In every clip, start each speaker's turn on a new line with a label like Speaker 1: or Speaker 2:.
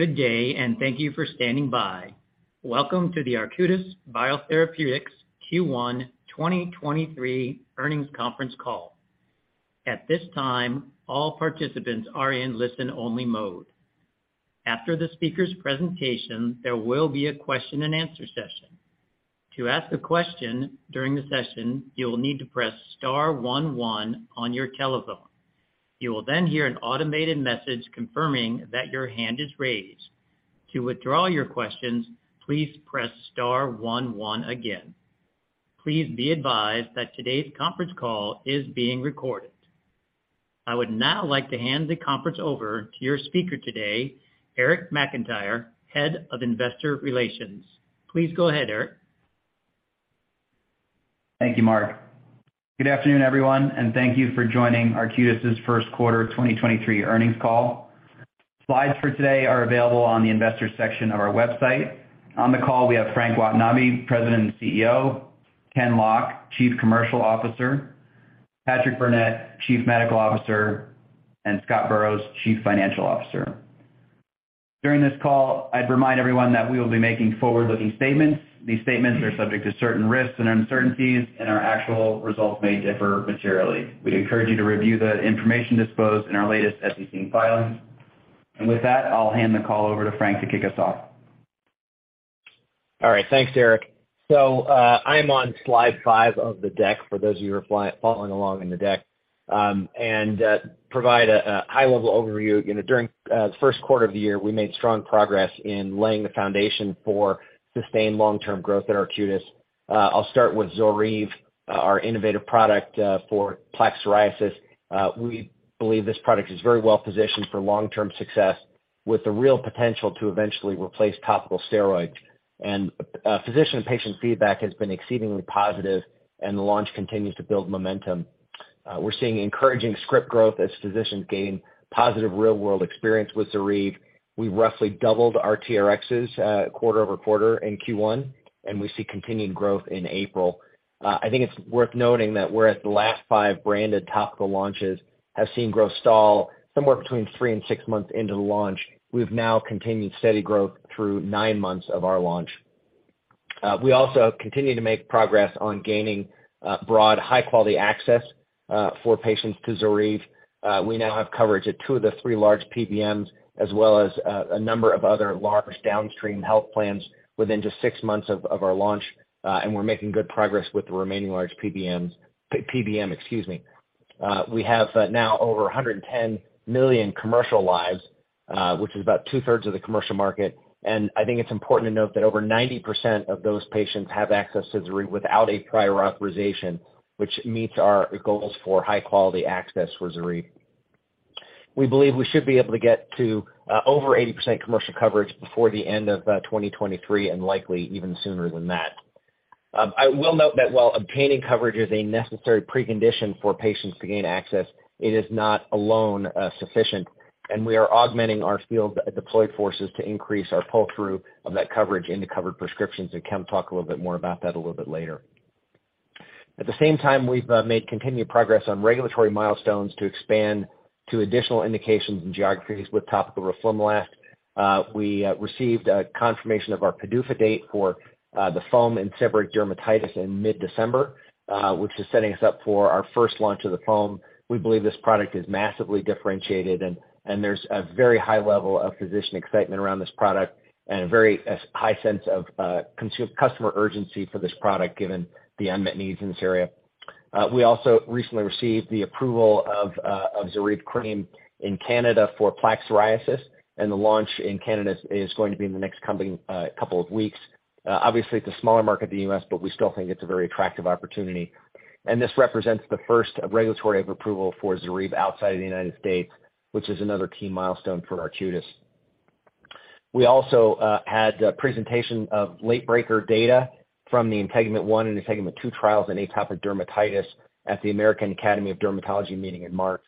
Speaker 1: Good day. Thank you for standing by. Welcome to the Arcutis Biotherapeutics Q1 2023 Earnings Conference Call. At this time, all participants are in listen-only mode. After the speaker's presentation, there will be a question-and-answer session. To ask a question during the session, you will need to press star one one on your telephone. You will then hear an automated message confirming that your hand is raised. To withdraw your questions, please press star one one again. Please be advised that today's conference call is being recorded. I would now like to hand the conference over to your speaker today, Eric McIntyre, Head of Investor Relations. Please go ahead, Eric.
Speaker 2: Thank you, Mark. Good afternoon, everyone, and thank you for joining Arcutis' First Quarter 2023 Earnings Call. Slides for today are available on the investors section of our website. On the call, we have Frank Watanabe, President and CEO; Ken Lock, Chief Commercial Officer; Patrick Burnett, Chief Medical Officer; and Scott Burrows, Chief Financial Officer. During this call, I'd remind everyone that we will be making forward-looking statements. These statements are subject to certain risks and uncertainties, and our actual results may differ materially. We encourage you to review the information disclosed in our latest SEC filings. With that, I'll hand the call over to Frank to kick us off.
Speaker 3: All right. Thanks, Eric. I'm on slide five of the deck for those of you who are following along in the deck, provide a high-level overview. You know, during the first quarter of the year, we made strong progress in laying the foundation for sustained long-term growth at Arcutis. I'll start with ZORYVE, our innovative product for plaque psoriasis. We believe this product is very well-positioned for long-term success with the real potential to eventually replace topical steroids. Physician and patient feedback has been exceedingly positive, and the launch continues to build momentum. We're seeing encouraging script growth as physicians gain positive real-world experience with ZORYVE. We roughly doubled our TRXs quarter-over-quarter in Q1, and we see continued growth in April. I think it's worth noting that whereas the last five branded topical launches have seen growth stall somewhere between three and six months into the launch, we've now continued steady growth through nine months of our launch. We also continue to make progress on gaining broad high-quality access for patients to ZORYVE. We now have coverage at two of the three large PBMs as well as a number of other large downstream health plans within just six months of our launch, and we're making good progress with the remaining large PBMs. We have now over $110 million commercial lives, which is about 2/3 of the commercial market. I think it's important to note that over 90% of those patients have access to ZORYVE without a prior authorization, which meets our goals for high-quality access for ZORYVE. We believe we should be able to get to over 80% commercial coverage before the end of 2023 and likely even sooner than that. I will note that while obtaining coverage is a necessary precondition for patients to gain access, it is not alone sufficient, and we are augmenting our field deployed forces to increase our pull-through of that coverage into covered prescriptions, and Ken will talk a little bit more about that a little bit later. At the same time, we've made continued progress on regulatory milestones to expand to additional indications and geographies with topical roflumilast We received a confirmation of our PDUFA date for the foam in seborrheic dermatitis in mid-December, which is setting us up for our first launch of the foam. We believe this product is massively differentiated and there's a very high level of physician excitement around this product and a very high sense of customer urgency for this product given the unmet needs in this area. We also recently received the approval of ZORYVE cream in Canada for plaque psoriasis, and the launch in Canada is going to be in the next coming couple of weeks. Obviously, it's a smaller market than U.S., but we still think it's a very attractive opportunity. This represents the first regulatory approval for ZORYVE outside of the United States, which is another key milestone for Arcutis We also had a presentation of late-breaker data from the INTEGUMENT-1 and INTEGUMENT-2 trials in atopic dermatitis at the American Academy of Dermatology meeting in March.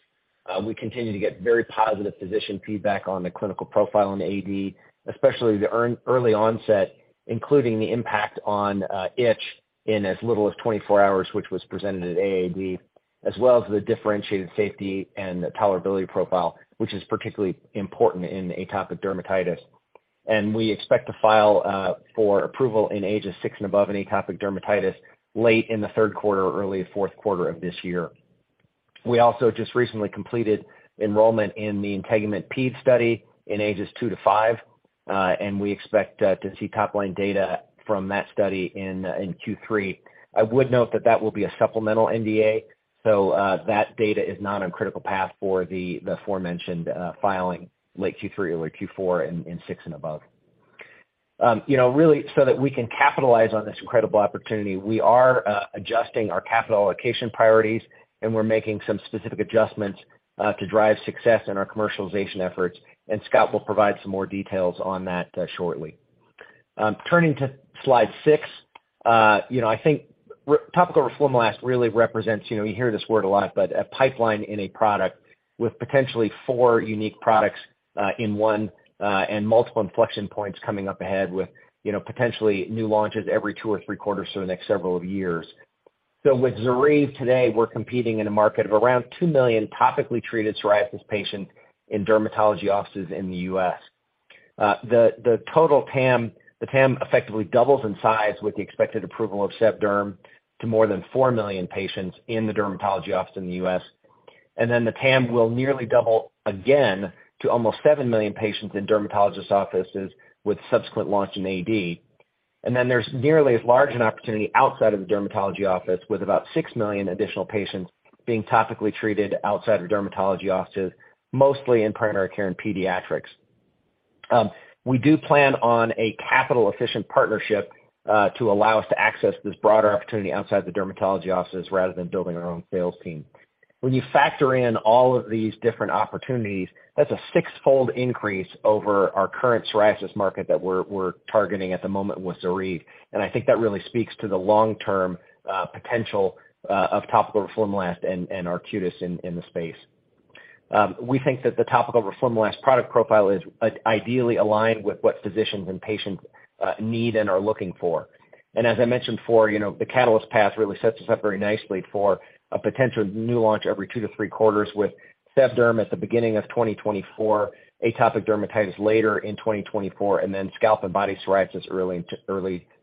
Speaker 3: We continue to get very positive physician feedback on the clinical profile in AD, especially the early onset, including the impact on itch in as little as 24 hours, which was presented at AAD, as well as the differentiated safety and tolerability profile, which is particularly important in atopic dermatitis. We expect to file for approval in ages six and above in atopic dermatitis late in the third quarter or early fourth quarter of this year. We also just recently completed enrollment in the INTEGUMENT-PED study in ages two to five, and we expect to see top-line data from that study in Q3. I would note that that will be a supplemental NDA, so that data is not on critical path for the aforementioned filing late Q3, early Q4 in six and above. You know, really, so that we can capitalize on this incredible opportunity, we are adjusting our capital allocation priorities, and we're making some specific adjustments to drive success in our commercialization efforts, and Scott will provide some more details on that shortly. Turning to slide six, you know, I think topical roflumilast really represents, you know, you hear this word a lot, but a pipeline in a product with potentially four unique products in one, and multiple inflection points coming up ahead with, you know, potentially new launches every two or three quarters for the next several years. With ZORYVE today, we're competing in a market of around 2 million topically treated psoriasis patients in dermatology offices in the U.S. The total TAM, the TAM effectively doubles in size with the expected approval of SebDerm to more than 4 million patients in the dermatology office in the U.S. The TAM will nearly double again to almost 7 million patients in dermatologist offices with subsequent launch in AD. There's nearly as large an opportunity outside of the dermatology office, with about 6 million additional patients being topically treated outside of dermatology offices, mostly in primary care and pediatrics. We do plan on a capital-efficient partnership to allow us to access this broader opportunity outside the dermatology offices rather than building our own sales team. When you factor in all of these different opportunities, that's a six-fold increase over our current psoriasis market that we're targeting at the moment with ZORYVE, and I think that really speaks to the long-term potential of topical roflumilast and Arcutis in the space. We think that the topical roflumilast product profile is ideally aligned with what physicians and patients need and are looking for. As I mentioned before, you know, the catalyst path really sets us up very nicely for a potential new launch every two to three quarters with SebDerm at the beginning of 2024, atopic dermatitis later in 2024, and then scalp and body psoriasis early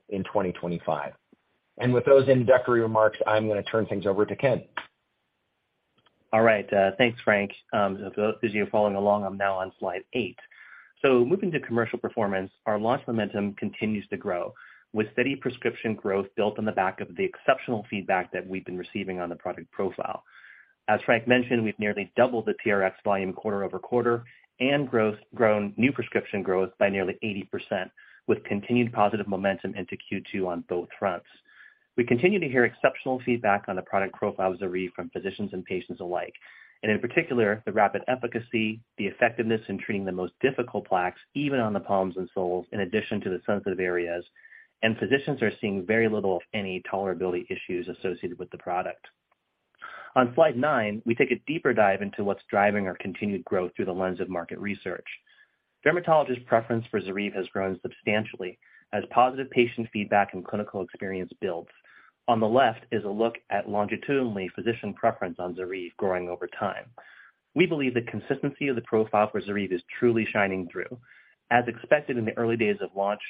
Speaker 3: in 2025. With those introductory remarks, I'm gonna turn things over to Ken.
Speaker 4: All right. Thanks, Frank. For those of you following along, I'm now on slide eight. Moving to commercial performance, our launch momentum continues to grow, with steady prescription growth built on the back of the exceptional feedback that we've been receiving on the product profile. As Frank mentioned, we've nearly doubled the TRX volume quarter-over-quarter and grown new prescription growth by nearly 80%, with continued positive momentum into Q2 on both fronts. We continue to hear exceptional feedback on the product profile of ZORYVE from physicians and patients alike, and in particular, the rapid efficacy, the effectiveness in treating the most difficult plaques, even on the palms and soles, in addition to the sensitive areas. Physicians are seeing very little, if any, tolerability issues associated with the product. On slide nine, we take a deeper dive into what's driving our continued growth through the lens of market research. Dermatologists' preference for ZORYVE has grown substantially as positive patient feedback and clinical experience builds. On the left is a look at longitudinally, physician preference on ZORYVE growing over time. We believe the consistency of the profile for ZORYVE is truly shining through. As expected in the early days of launch,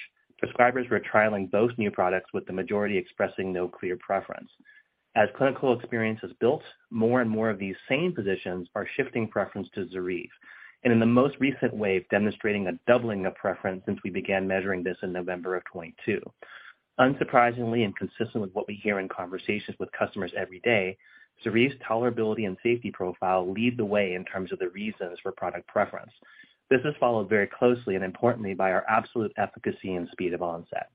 Speaker 4: prescribers were trialing both new products, with the majority expressing no clear preference. As clinical experience is built, more and more of these same physicians are shifting preference to ZORYVE, and in the most recent wave, demonstrating a doubling of preference since we began measuring this in November of 2022. Unsurprisingly, and consistent with what we hear in conversations with customers every day, ZORYVE's tolerability and safety profile lead the way in terms of the reasons for product preference. This is followed very closely and importantly by our absolute efficacy and speed of onset.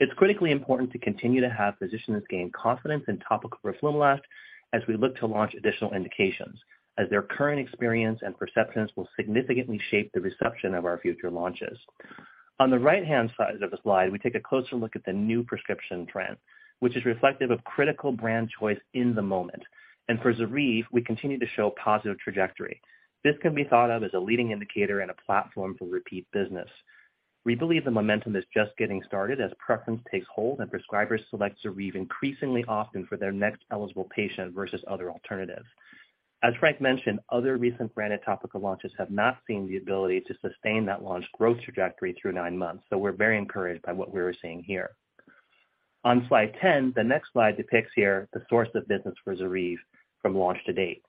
Speaker 4: It's critically important to continue to have physicians gain confidence in topical roflumilast as we look to launch additional indications, as their current experience and perceptions will significantly shape the reception of our future launches. On the right-hand side of the slide, we take a closer look at the new prescription trend, which is reflective of critical brand choice in the moment. For ZORYVE, we continue to show positive trajectory. This can be thought of as a leading indicator and a platform for repeat business. We believe the momentum is just getting started as preference takes hold and prescribers select ZORYVE increasingly often for their next eligible patient versus other alternatives. As Frank mentioned, other recent branded topical launches have not seen the ability to sustain that launch growth trajectory through nine months, so we're very encouraged by what we are seeing here. On slide 10, the next slide depicts here the source of business for ZORYVE from launch to date.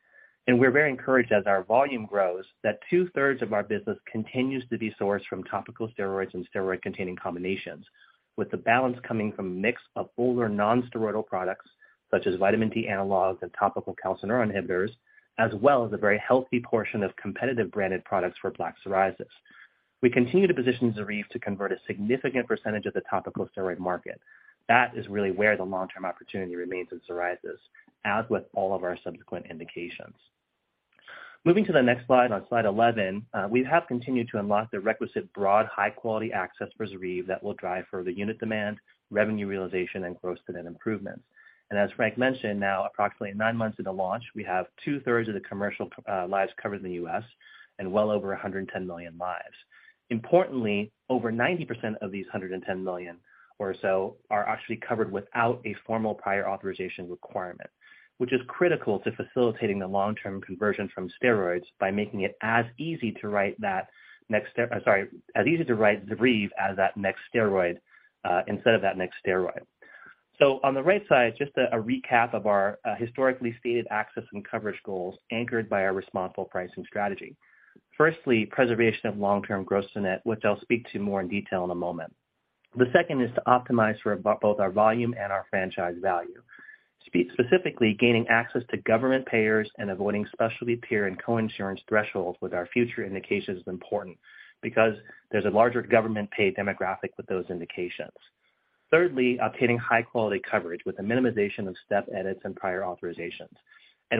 Speaker 4: We're very encouraged, as our volume grows, that two-thirds of our business continues to be sourced from topical steroids and steroid-containing combinations, with the balance coming from a mix of older non-steroidal products such as vitamin D analogs and topical calcineurin inhibitors, as well as a very healthy portion of competitive branded products for plaque psoriasis. We continue to position ZORYVE to convert a significant percentage of the topical steroid market. That is really where the long-term opportunity remains in psoriasis, as with all of our subsequent indications. Moving to the next slide, on slide 11, we have continued to unlock the requisite broad, high-quality access for ZORYVE that will drive further unit demand, revenue realization, and gross-to-net improvements. As Frank mentioned, now approximately nine months into launch, we have 2/3 of the commercial lives covered in the U.S. and well over 110 million lives. Importantly, over 90% of these 110 million or so are actually covered without a formal prior authorization requirement, which is critical to facilitating the long-term conversion from steroids by making it as easy to write, I'm sorry, as easy to write ZORYVE as that next steroid instead of that next steroid. On the right side, just a recap of our historically stated access and coverage goals anchored by our responsible pricing strategy. Firstly, preservation of long-term gross to net, which I'll speak to more in detail in a moment. The second is to optimize for both our volume and our franchise value. Specifically, gaining access to government payers and avoiding specialty tier and co-insurance thresholds with our future indications is important because there's a larger government pay demographic with those indications. Thirdly, obtaining high-quality coverage with the minimization of step edits and prior authorizations.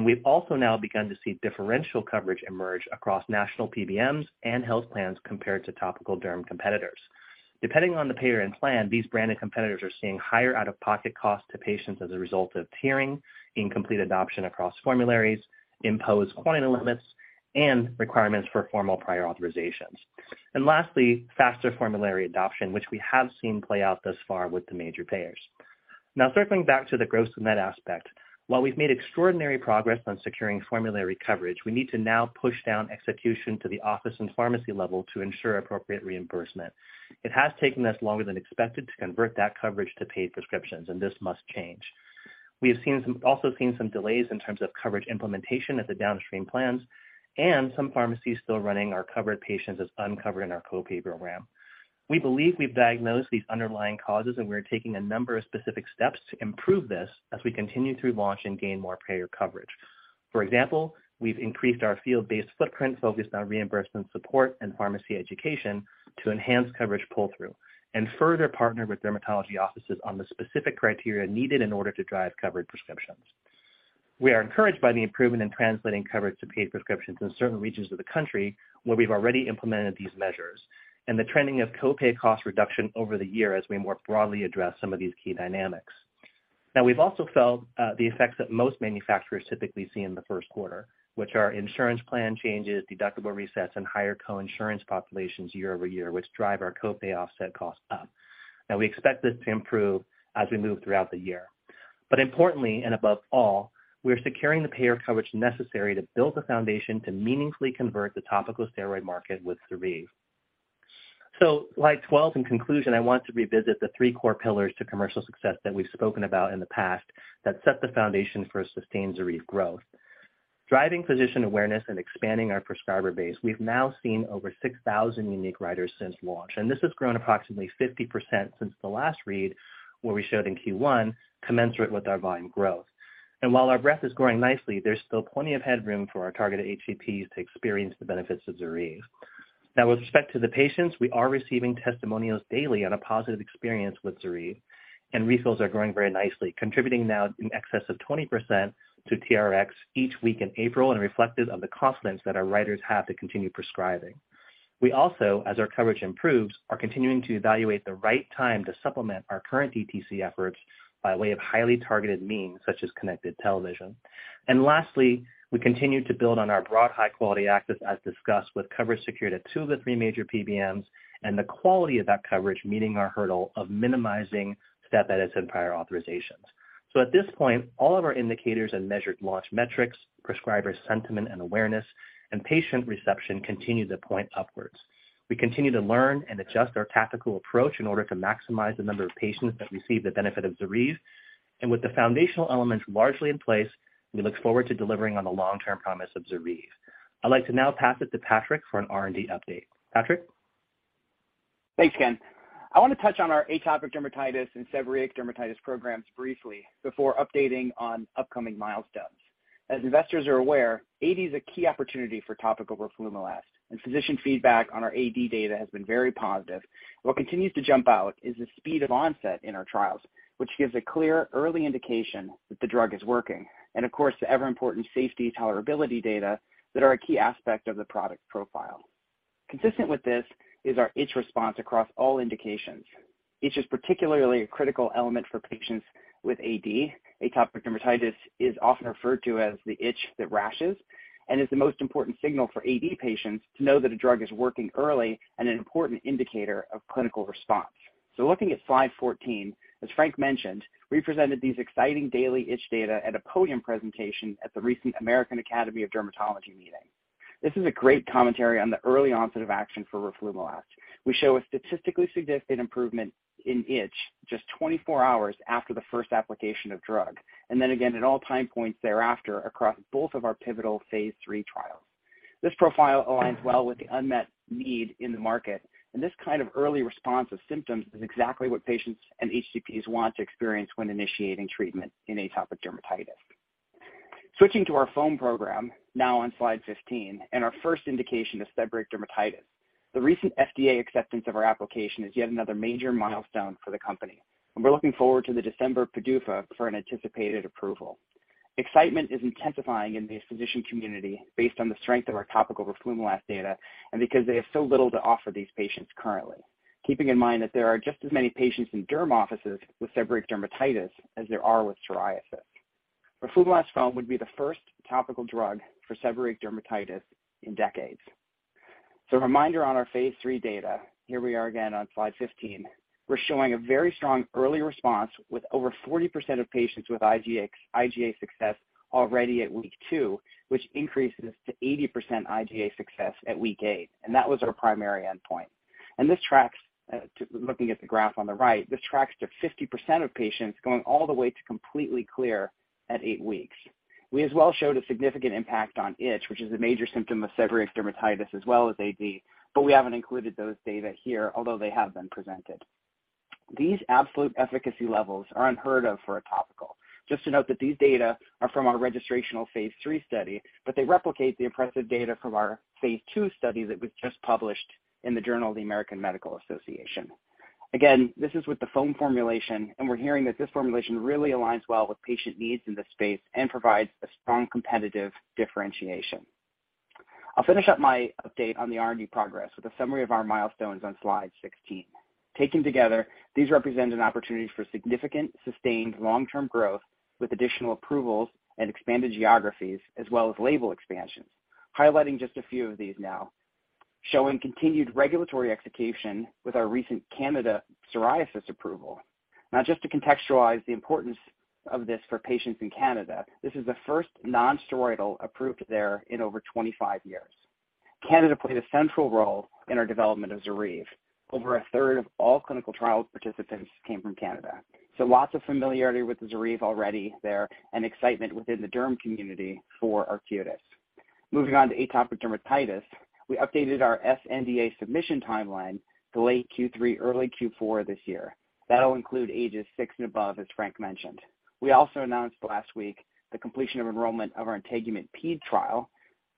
Speaker 4: We've also now begun to see differential coverage emerge across national PBMs and health plans compared to topical derm competitors. Depending on the payer and plan, these branded competitors are seeing higher out-of-pocket costs to patients as a result of tiering, incomplete adoption across formularies, imposed quantity limits, and requirements for formal prior authorizations. Lastly, faster formulary adoption, which we have seen play out thus far with the major payers. Now circling back to the gross to net aspect. While we've made extraordinary progress on securing formulary coverage, we need to now push down execution to the office and pharmacy level to ensure appropriate reimbursement. It has taken us longer than expected to convert that coverage to paid prescriptions, and this must change. We have also seen some delays in terms of coverage implementation at the downstream plans and some pharmacies still running our covered patients as uncovered in our co-pay program. We believe we've diagnosed these underlying causes, and we are taking a number of specific steps to improve this as we continue to launch and gain more payer coverage. For example, we've increased our field-based footprint focused on reimbursement support and pharmacy education to enhance coverage pull-through, and further partnered with dermatology offices on the specific criteria needed in order to drive covered prescriptions. We are encouraged by the improvement in translating coverage to paid prescriptions in certain regions of the country where we've already implemented these measures, and the trending of co-pay cost reduction over the year as we more broadly address some of these key dynamics. We've also felt the effects that most manufacturers typically see in the first quarter, which are insurance plan changes, deductible resets, and higher co-insurance populations year-over-year, which drive our co-pay offset costs up. We expect this to improve as we move throughout the year. Importantly, and above all, we are securing the payer coverage necessary to build the foundation to meaningfully convert the topical steroid market with ZORYVE. Slide 12. In conclusion, I want to revisit the three core pillars to commercial success that we've spoken about in the past that set the foundation for sustained ZORYVE growth. Driving physician awareness and expanding our prescriber base, we've now seen over 6,000 unique writers since launch, and this has grown approximately 50% since the last read, where we showed in Q1 commensurate with our volume growth. While our breadth is growing nicely, there's still plenty of headroom for our targeted HCPs to experience the benefits of ZORYVE. With respect to the patients, we are receiving testimonials daily on a positive experience with ZORYVE, and refills are growing very nicely, contributing now in excess of 20% to TRXs each week in April, and reflective of the confidence that our writers have to continue prescribing. We also, as our coverage improves, are continuing to evaluate the right time to supplement our current DTC efforts by way of highly targeted means such as connected television. Lastly, we continue to build on our broad high-quality access, as discussed with coverage secured at two of the three major PBMs, and the quality of that coverage meeting our hurdle of minimizing step edits and prior authorizations. At this point, all of our indicators and measured launch metrics, prescriber sentiment and awareness, and patient reception continue to point upwards. We continue to learn and adjust our tactical approach in order to maximize the number of patients that receive the benefit of ZORYVE. With the foundational elements largely in place, we look forward to delivering on the long-term promise of ZORYVE. I'd like to now pass it to Patrick for an R&D update. Patrick?
Speaker 5: Thanks, Ken. I want to touch on our atopic dermatitis and seborrheic dermatitis programs briefly before updating on upcoming milestones. As investors are aware, AD is a key opportunity for topical roflumilast, and physician feedback on our AD data has been very positive. What continues to jump out is the speed of onset in our trials, which gives a clear early indication that the drug is working, and of course, the ever-important safety tolerability data that are a key aspect of the product profile. Consistent with this is our itch response across all indications. Itch is particularly a critical element for patients with AD. Atopic dermatitis is often referred to as the itch that rashes and is the most important signal for AD patients to know that a drug is working early and an important indicator of clinical response. Looking at slide 14, as Frank mentioned, we presented these exciting daily itch data at a podium presentation at the recent American Academy of Dermatology meeting. This is a great commentary on the early onset of action for roflumilast. We show a statistically significant improvement in itch just 24 hours after the first application of drug, and then again at all time points thereafter across both of our pivotal phase III trials. This profile aligns well with the unmet need in the market, and this kind of early response of symptoms is exactly what patients and HCPs want to experience when initiating treatment in atopic dermatitis. Switching to our foam program now on slide 15 and our first indication of seborrheic dermatitis, the recent FDA acceptance of our application is yet another major milestone for the company, and we're looking forward to the December PDUFA for an anticipated approval. Excitement is intensifying in the physician community based on the strength of our topical roflumilast data and because they have so little to offer these patients currently. Keeping in mind that there are just as many patients in derm offices with seborrheic dermatitis as there are with psoriasis. roflumilast foam would be the first topical drug for seborrheic dermatitis in decades. A reminder on our phase III data. Here we are again on slide 15. We're showing a very strong early response with over 40% of patients with IGA success already at week two, which increases to 80% IGA success at week eight. That was our primary endpoint. Looking at the graph on the right, this tracks to 50% of patients going all the way to completely clear at eight weeks. We as well showed a significant impact on itch, which is a major symptom of seborrheic dermatitis as well as AD. We haven't included those data here, although they have been presented. These absolute efficacy levels are unheard of for a topical. Just to note that these data are from our registrational phase III study. They replicate the impressive data from our phase II study that was just published in the Journal of the American Medical Association. Again, this is with the foam formulation. We're hearing that this formulation really aligns well with patient needs in this space and provides a strong competitive differentiation. I'll finish up my update on the R&D progress with a summary of our milestones on slide 16. Taken together, these represent an opportunity for significant, sustained long-term growth with additional approvals and expanded geographies as well as label expansions. Highlighting just a few of these now. Continued regulatory execution with our recent Canada psoriasis approval. Just to contextualize the importance of this for patients in Canada, this is the first non-steroidal approved there in over 25 years. Canada played a central role in our development of ZORYVE. Over a third of all clinical trial participants came from Canada, lots of familiarity with the ZORYVE already there and excitement within the derm community for Arcutis. Moving on to atopic dermatitis, we updated our sNDA submission timeline to late Q3, early Q4 this year. That'll include ages six and above, as Frank mentioned. We also announced last week the completion of enrollment of our INTEGUMENT-PED trial.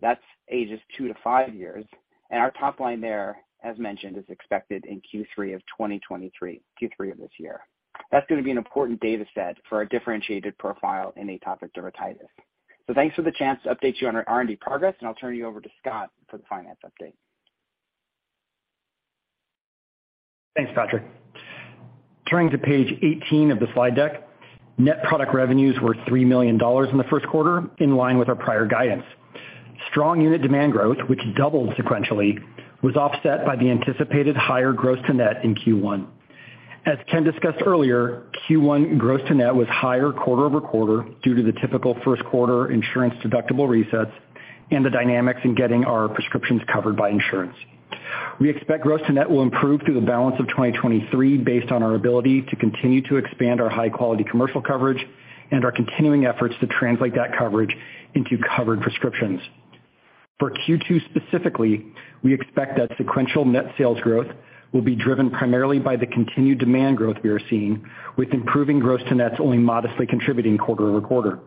Speaker 5: That's ages two to five years, our top line there, as mentioned, is expected in Q3 of 2023, Q3 of this year. That's going to be an important data set for our differentiated profile in atopic dermatitis. Thanks for the chance to update you on our R&D progress, I'll turn you over to Scott for the finance update.
Speaker 6: Thanks, Patrick. Turning to page 18 of the slide deck. Net product revenues were $3 million in the 1st quarter, in line with our prior guidance. Strong unit demand growth, which doubled sequentially, was offset by the anticipated higher gross to net in Q1. As Ken discussed earlier, Q1 gross to net was higher quarter-over-quarter due to the typical 1st quarter insurance deductible resets and the dynamics in getting our prescriptions covered by insurance. We expect gross to net will improve through the balance of 2023 based on our ability to continue to expand our high-quality commercial coverage and our continuing efforts to translate that coverage into covered prescriptions. For Q2 specifically, we expect that sequential net sales growth will be driven primarily by the continued demand growth we are seeing with improving gross to nets only modestly contributing quarter-over-quarter.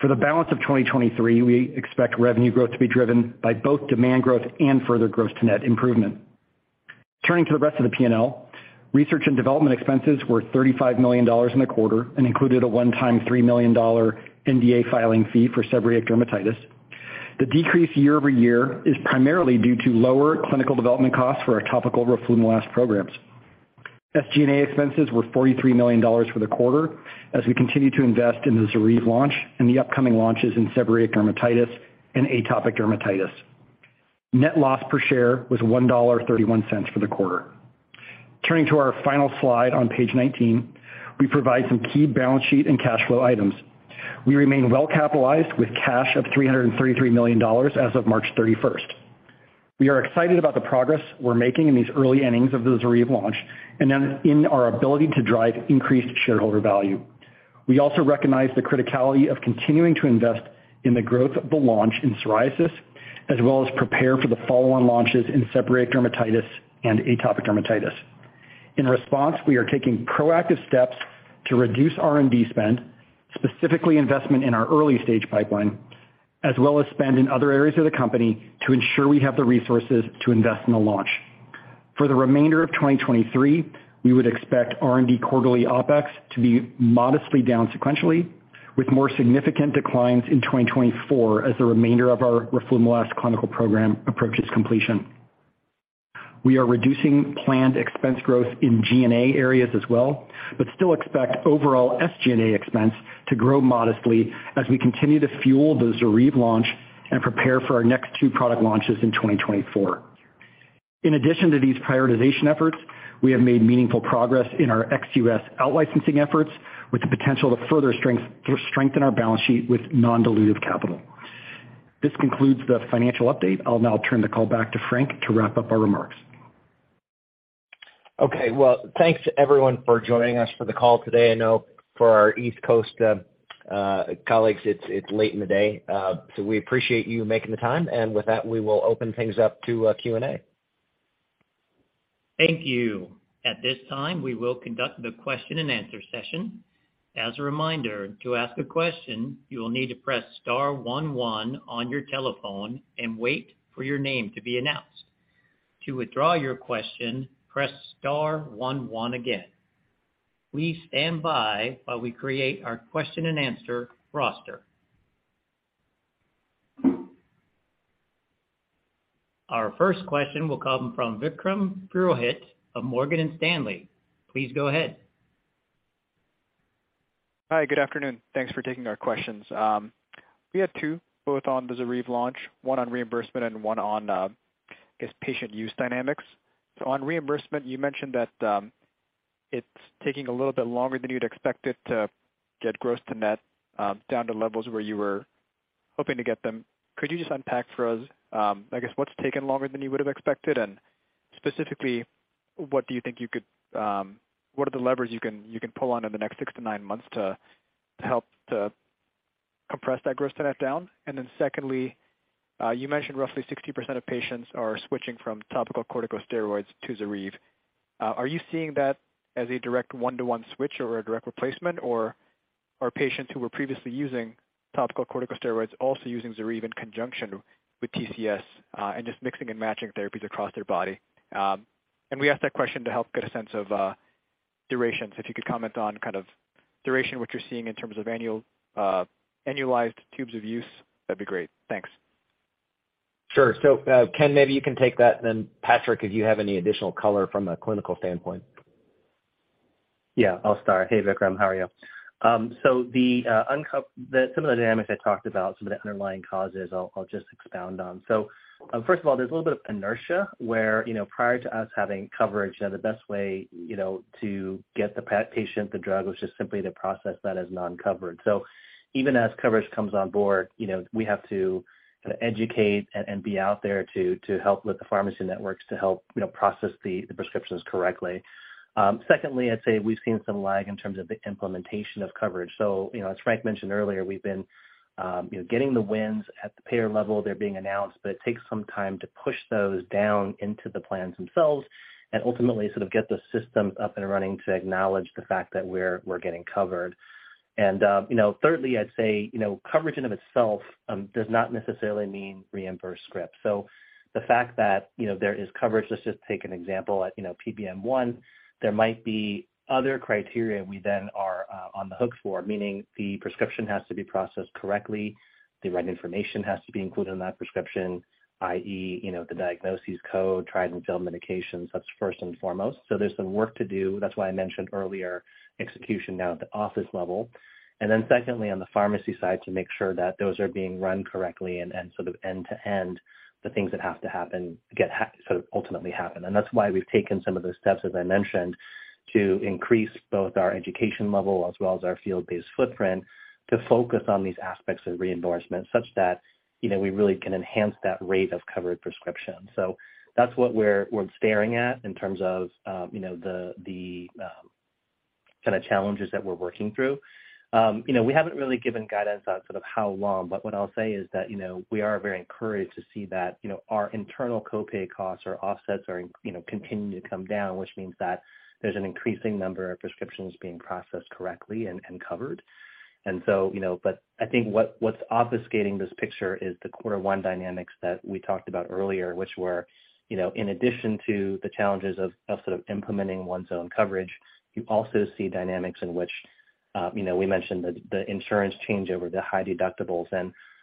Speaker 6: For the balance of 2023, we expect revenue growth to be driven by both demand growth and further gross to net improvement. Turning to the rest of the P&L, research and development expenses were $35 million in the quarter and included a one-time $3 million NDA filing fee for seborrheic dermatitis. The decrease year-over-year is primarily due to lower clinical development costs for our topical roflumilast programs. SG&A expenses were $43 million for the quarter as we continue to invest in the ZORYVE launch and the upcoming launches in seborrheic dermatitis and atopic dermatitis. Net loss per share was $1.31 for the quarter. Turning to our final slide on page 19, we provide some key balance sheet and cash flow items. We remain well-capitalized with cash of $333 million as of March 31st. We are excited about the progress we're making in these early innings of the ZORYVE launch and then in our ability to drive increased shareholder value. We also recognize the criticality of continuing to invest in the growth of the launch in psoriasis, as well as prepare for the follow-on launches in seborrheic dermatitis and atopic dermatitis. In response, we are taking proactive steps to reduce R&D spend, specifically investment in our early-stage pipeline, as well as spend in other areas of the company to ensure we have the resources to invest in the launch. For the remainder of 2023, we would expect R&D quarterly OpEx to be modestly down sequentially, with more significant declines in 2024 as the remainder of our roflumilast clinical program approaches completion. We are reducing planned expense growth in G&A areas as well. Still expect overall SG&A expense to grow modestly as we continue to fuel the ZORYVE launch and prepare for our next two product launches in 2024. In addition to these prioritization efforts, we have made meaningful progress in our ex-U.S. out licensing efforts with the potential to further strengthen our balance sheet with non-dilutive capital. This concludes the financial update. I'll now turn the call back to Frank to wrap up our remarks.
Speaker 3: Okay. Well, thanks everyone for joining us for the call today. I know for our East Coast colleagues, it's late in the day. So we appreciate you making the time. With that, we will open things up to Q&A.
Speaker 1: Thank you. At this time, we will conduct the question-and-answer session. As a reminder, to ask a question, you will need to press star one one on your telephone and wait for your name to be announced. To withdraw your question, press star one one again. We stand by while we create our question-and-answer roster. Our first question will come from Vikram Purohit of Morgan Stanley. Please go ahead.
Speaker 7: Hi. Good afternoon. Thanks for taking our questions. We have two, both on the ZORYVE launch, one on reimbursement and one on, I guess patient use dynamics. On reimbursement, you mentioned that it's taking a little bit longer than you'd expect it to get gross to net down to levels where you were hoping to get them. Could you just unpack for us, I guess what's taken longer than you would have expected? Specifically, what do you think you could, what are the levers you can pull on in the next six to nine months to help to compress that gross to net down? Secondly, you mentioned roughly 60% of patients are switching from topical corticosteroids to ZORYVE. Are you seeing that as a direct one to one switch or a direct replacement? Are patients who were previously using topical corticosteroids also using ZORYVE in conjunction with TCS, and just mixing and matching therapies across their body? We ask that question to help get a sense of durations. If you could comment on kind of duration, what you're seeing in terms of annualized tubes of use, that'd be great. Thanks.
Speaker 3: Sure. Ken, maybe you can take that. Patrick, if you have any additional color from a clinical standpoint.
Speaker 4: Yeah, I'll start. Hey, Vikram, how are you? Some of the dynamics I talked about, some of the underlying causes I'll just expound on. First of all, there's a little bit of inertia where, you know, prior to us having coverage, you know, the best way, you know, to get the patient the drug was just simply to process that as non-covered. Even as coverage comes on board, you know, we have to kinda educate and be out there to help with the pharmacy networks to help, you know, process the prescriptions correctly. Secondly, I'd say we've seen some lag in terms of the implementation of coverage. As Frank mentioned earlier, we've been, you know, getting the wins at the payer level. They're being announced, but it takes some time to push those down into the plans themselves and ultimately sort of get the system up and running to acknowledge the fact that we're getting covered. Thirdly, you know, I'd say, you know, coverage in of itself does not necessarily mean reimbursed scripts. The fact that, you know, there is coverage, let's just take an example at, you know, PBM 1. There might be other criteria we then are on the hook for, meaning the prescription has to be processed correctly, the right information has to be included in that prescription, i.e., you know, the diagnoses code, tried and failed medications. That's first and foremost. There's some work to do. That's why I mentioned earlier execution now at the office level. Secondly, on the pharmacy side, to make sure that those are being run correctly and sort of end to end the things that have to happen get sort of ultimately happen. That's why we've taken some of those steps, as I mentioned, to increase both our education level as well as our field-based footprint to focus on these aspects of reimbursement such that, you know, we really can enhance that rate of covered prescription. That's what we're staring at in terms of, you know, the kinda challenges that we're working through. You know, we haven't really given guidance on sort of how long, but what I'll say is that, you know, we are very encouraged to see that, you know, our internal co-pay costs or offsets are, you know, continuing to come down, which means that there's an increasing number of prescriptions being processed correctly and covered. You know, I think what's obfuscating this picture is the quarter one dynamics that we talked about earlier, which were, you know, in addition to the challenges of sort of implementing one's own coverage, you also see dynamics in which, you know, we mentioned the insurance change over the high deductibles.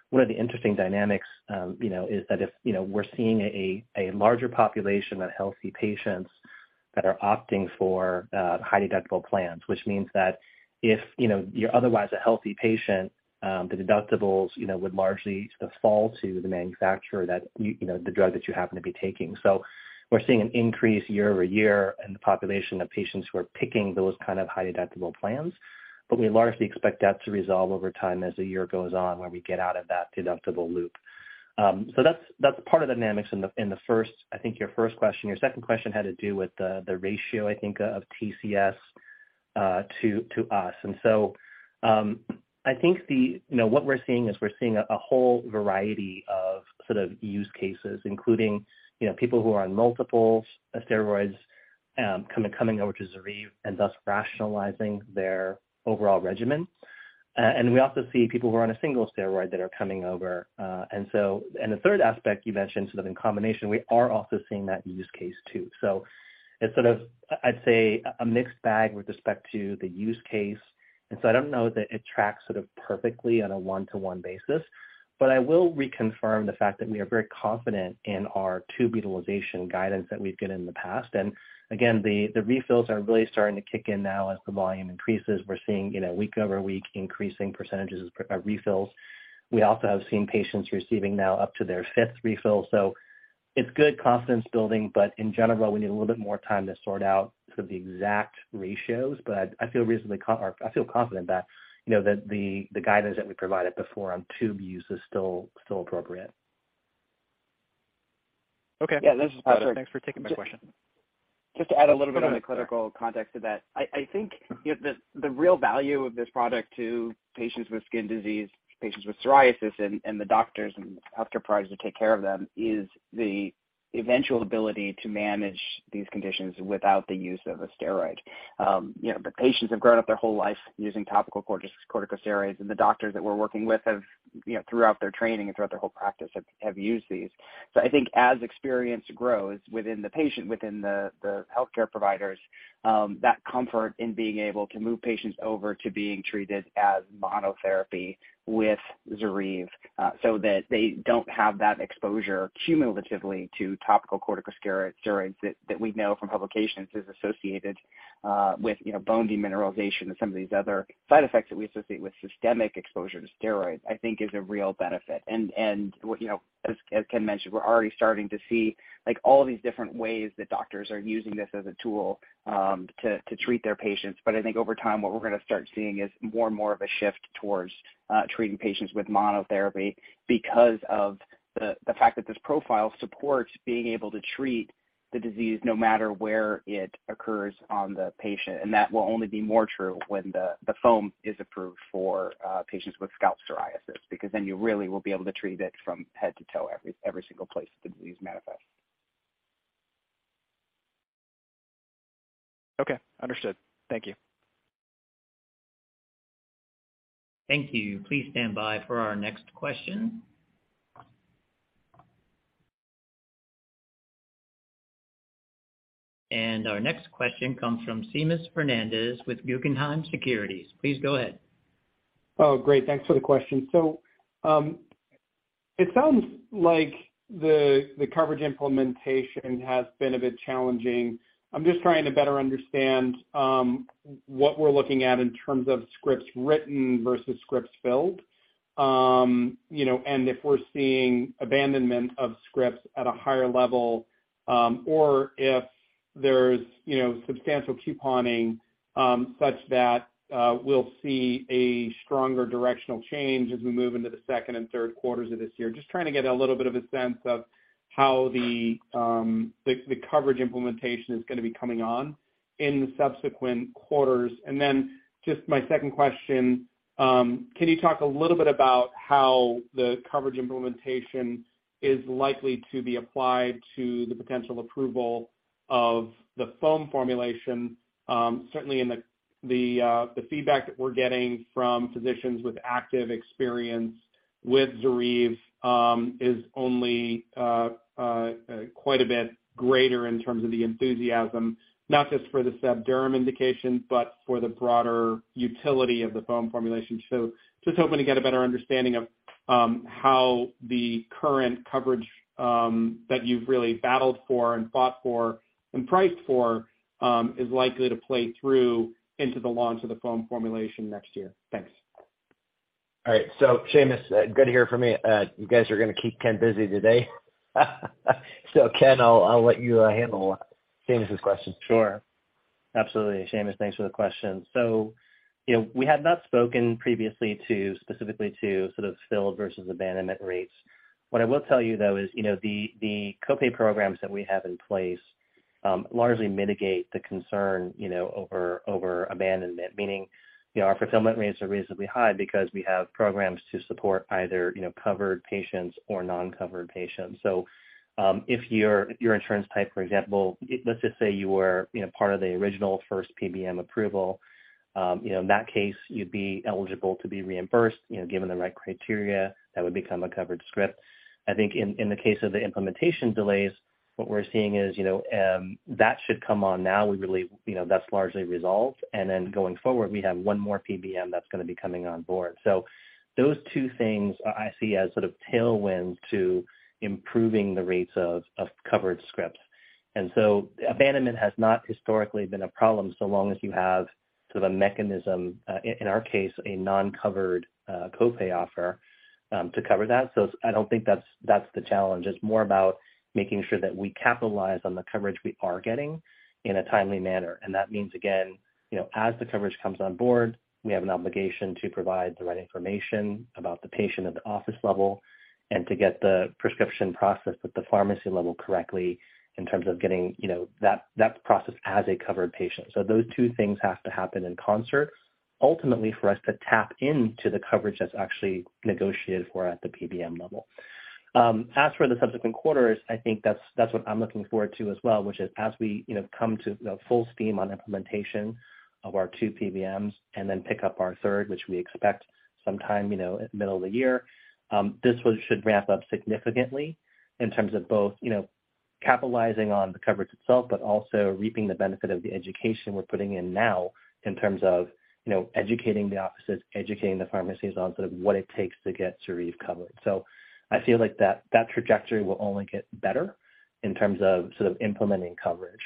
Speaker 4: One of the interesting dynamics, you know, is that if, you know, we're seeing a larger population of healthy patients that are opting for high deductible plans, which means that if, you know, you're otherwise a healthy patient, the deductibles, you know, would largely sort of fall to the manufacturer that you know, the drug that you happen to be taking. We're seeing an increase year-over-year in the population of patients who are picking those kind of high deductible plans. We largely expect that to resolve over time as the year goes on, when we get out of that deductible loop. That's part of the dynamics in the I think your first question. Your second question had to do with the ratio, I think, of TCS to us. I think You know, what we're seeing is we're seeing a whole variety of sort of use cases, including, you know, people who are on multiples of steroids, coming over to ZORYVE and thus rationalizing their overall regimen. We also see people who are on a single steroid that are coming over. The third aspect you mentioned sort of in combination, we are also seeing that use case too. It's sort of, I'd say, a mixed bag with respect to the use case. I don't know that it tracks sort of perfectly on a one-to-one basis. I will reconfirm the fact that we are very confident in our tube utilization guidance that we've given in the past. Again, the refills are really starting to kick in now as the volume increases. We're seeing, you know, week over week increasing percentages of refills. We also have seen patients receiving now up to their fifth refill. It's good confidence building. In general, we need a little bit more time to sort out sort of the exact ratios. I feel reasonably or I feel confident that, you know, the guidance that we provided before on tube use is still appropriate.
Speaker 7: Okay. Thanks for taking my question.
Speaker 5: Just to add a little bit on the clinical context of that. I think, you know, the real value of this product to patients with skin disease, patients with psoriasis and the doctors and healthcare providers that take care of them, is the eventual ability to manage these conditions without the use of a steroid. You know, the patients have grown up their whole life using topical corticosteroids, and the doctors that we're working with have, you know, throughout their training and throughout their whole practice, have used these. I think as experience grows within the patient, within the healthcare providers, that comfort in being able to move patients over to being treated as monotherapy with ZORYVE so that they don't have that exposure cumulatively to topical corticosteroids that we know from publications is associated with, you know, bone demineralization and some of these other side effects that we associate with systemic exposure to steroids, I think is a real benefit. You know, as Ken mentioned, we're already starting to see, like, all these different ways that doctors are using this as a tool to treat their patients. I think over time, what we're gonna start seeing is more and more of a shift towards treating patients with monotherapy because of the fact that this profile supports being able to treat the disease no matter where it occurs on the patient. That will only be more true when the foam is approved for patients with scalp psoriasis, because then you really will be able to treat it from head to toe every single place the disease manifests.
Speaker 7: Okay, understood. Thank you.
Speaker 1: Thank you. Please stand by for our next question. Our next question comes from Seamus Fernandez with Guggenheim Securities. Please go ahead.
Speaker 8: Oh, great. Thanks for the question. It sounds like the coverage implementation has been a bit challenging. I'm just trying to better understand what we're looking at in terms of scripts written versus scripts filled. You know, if we're seeing abandonment of scripts at a higher level, or if there's, you know, substantial couponing, such that we'll see a stronger directional change as we move into the second and third quarters of this year. Just trying to get a little bit of a sense of how the coverage implementation is gonna be coming on in the subsequent quarters. Just my second question, can you talk a little bit about how the coverage implementation is likely to be applied to the potential approval of the foam formulation? Certainly in the feedback that we're getting from physicians with active experience with ZORYVE, is only quite a bit greater in terms of the enthusiasm, not just for the SebDerm indication, but for the broader utility of the foam formulation. Just hoping to get a better understanding of how the current coverage that you've really battled for and fought for and priced for is likely to play through into the launch of the foam formulation next year. Thanks.
Speaker 3: All right. Seamus, good to hear from you. You guys are gonna keep Ken busy today. Ken, I'll let you handle Seamus' question.
Speaker 4: Sure. Absolutely. Seamus, thanks for the question. You know, we had not spoken previously to, specifically to sort of fill versus abandonment rates. What I will tell you though is, you know, the co-pay programs that we have in place, largely mitigate the concern, you know, over abandonment. Meaning, you know, our fulfillment rates are reasonably high because we have programs to support either, you know, covered patients or non-covered patients. If your insurance type, for example, let's just say you were, you know, part of the original first PBM approval, you know, in that case, you'd be eligible to be reimbursed, you know, given the right criteria that would become a covered script. I think in the case of the implementation delays, what we're seeing is, you know, that should come on now. We really, you know, that's largely resolved. Going forward, we have one more PBM that's going to be coming on board. Those two things I see as sort of tailwind to improving the rates of covered scripts. Abandonment has not historically been a problem so long as you have sort of a mechanism, in our case, a non-covered co-pay offer, to cover that. I don't think that's the challenge. It's more about making sure that we capitalize on the coverage we are getting in a timely manner. That means, again, you know, as the coverage comes on board, we have an obligation to provide the right information about the patient at the office level and to get the prescription processed at the pharmacy level correctly in terms of getting, you know, that process as a covered patient. Those two things have to happen in concert ultimately for us to tap into the coverage that's actually negotiated for at the PBM level. As for the subsequent quarters, I think that's what I'm looking forward to as well, which is as we, you know, come to the full scheme on implementation of our two PBMs and then pick up our third, which we expect sometime, you know, at the middle of the year, this one should ramp up significantly in terms of both, you know, capitalizing on the coverage itself, but also reaping the benefit of the education we're putting in now in terms of, you know, educating the offices, educating the pharmacies on sort of what it takes to get ZORYVE covered. I feel like that trajectory will only get better in terms of sort of implementing coverage.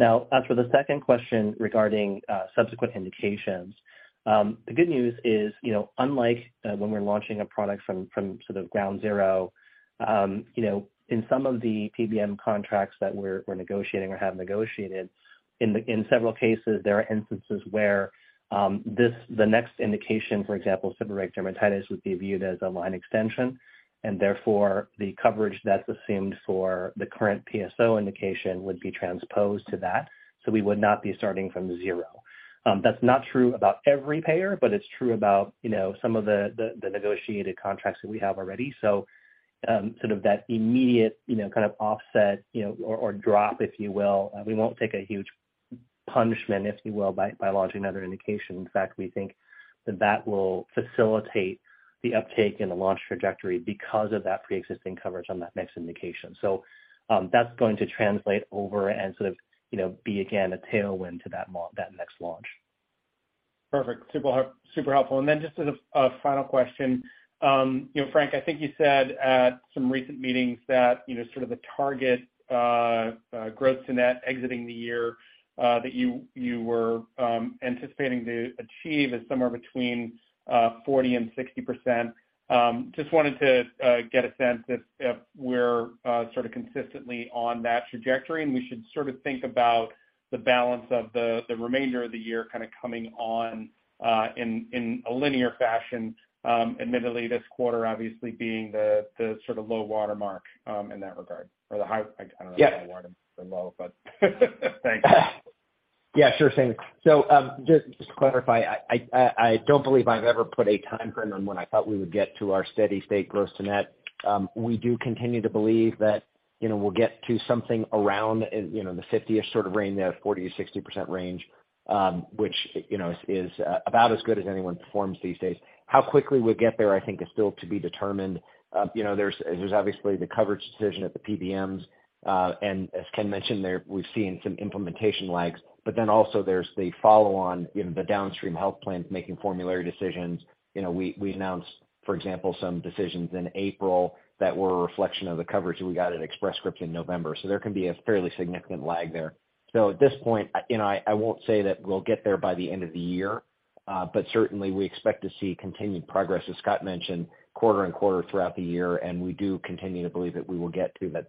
Speaker 4: As for the second question regarding subsequent indications, the good news is, you know, unlike, when we're launching a product from ground zero, you know, in some of the PBM contracts that we're negotiating or have negotiated in several cases, there are instances where the next indication, for example, seborrheic dermatitis, would be viewed as a line extension, and therefore the coverage that's assumed for the current PSO indication would be transposed to that. We would not be starting from zero. That's not true about every payer, but it's true about, you know, some of the negotiated contracts that we have already. Sort of that immediate, you know, kind of offset, you know, or drop, if you will. We won't take a huge punishment, if you will, by launching another indication. In fact, we think that will facilitate the uptake in the launch trajectory because of that preexisting coverage on that next indication. That's going to translate over and sort of, you know, be again, a tailwind to that next launch.
Speaker 8: Perfect. Super helpful. Just as a final question, you know, Frank, I think you said at some recent meetings that, you know, sort of the target gross to net exiting the year that you were anticipating to achieve is somewhere between 40% and 60%. Just wanted to get a sense if we're sort of consistently on that trajectory, and we should sort of think about the balance of the remainder of the year kind of coming on in a linear fashion. Admittedly, this quarter obviously being the sort of low watermark in that regard, or the high, I don't know if it's the water or low, but thanks.
Speaker 3: Yeah, sure thing. Just to clarify, I don't believe I've ever put a timeframe on when I thought we would get to our steady state gross to net. We do continue to believe that you know, we'll get to something around, you know, the 50th sort of range there, 40%-60% range, which, you know, is about as good as anyone performs these days. How quickly we'll get there, I think is still to be determined. You know, there's obviously the coverage decision at the PBMs, and as Ken mentioned there, we've seen some implementation lags. Also there's the follow on in the downstream health plans making formulary decisions. You know, we announced, for example, some decisions in April that were a reflection of the coverage that we got at Express Scripts in November. There can be a fairly significant lag there. At this point, you know, I won't say that we'll get there by the end of the year, but certainly we expect to see continued progress, as Scott mentioned, quarter and quarter throughout the year, and we do continue to believe that we will get to that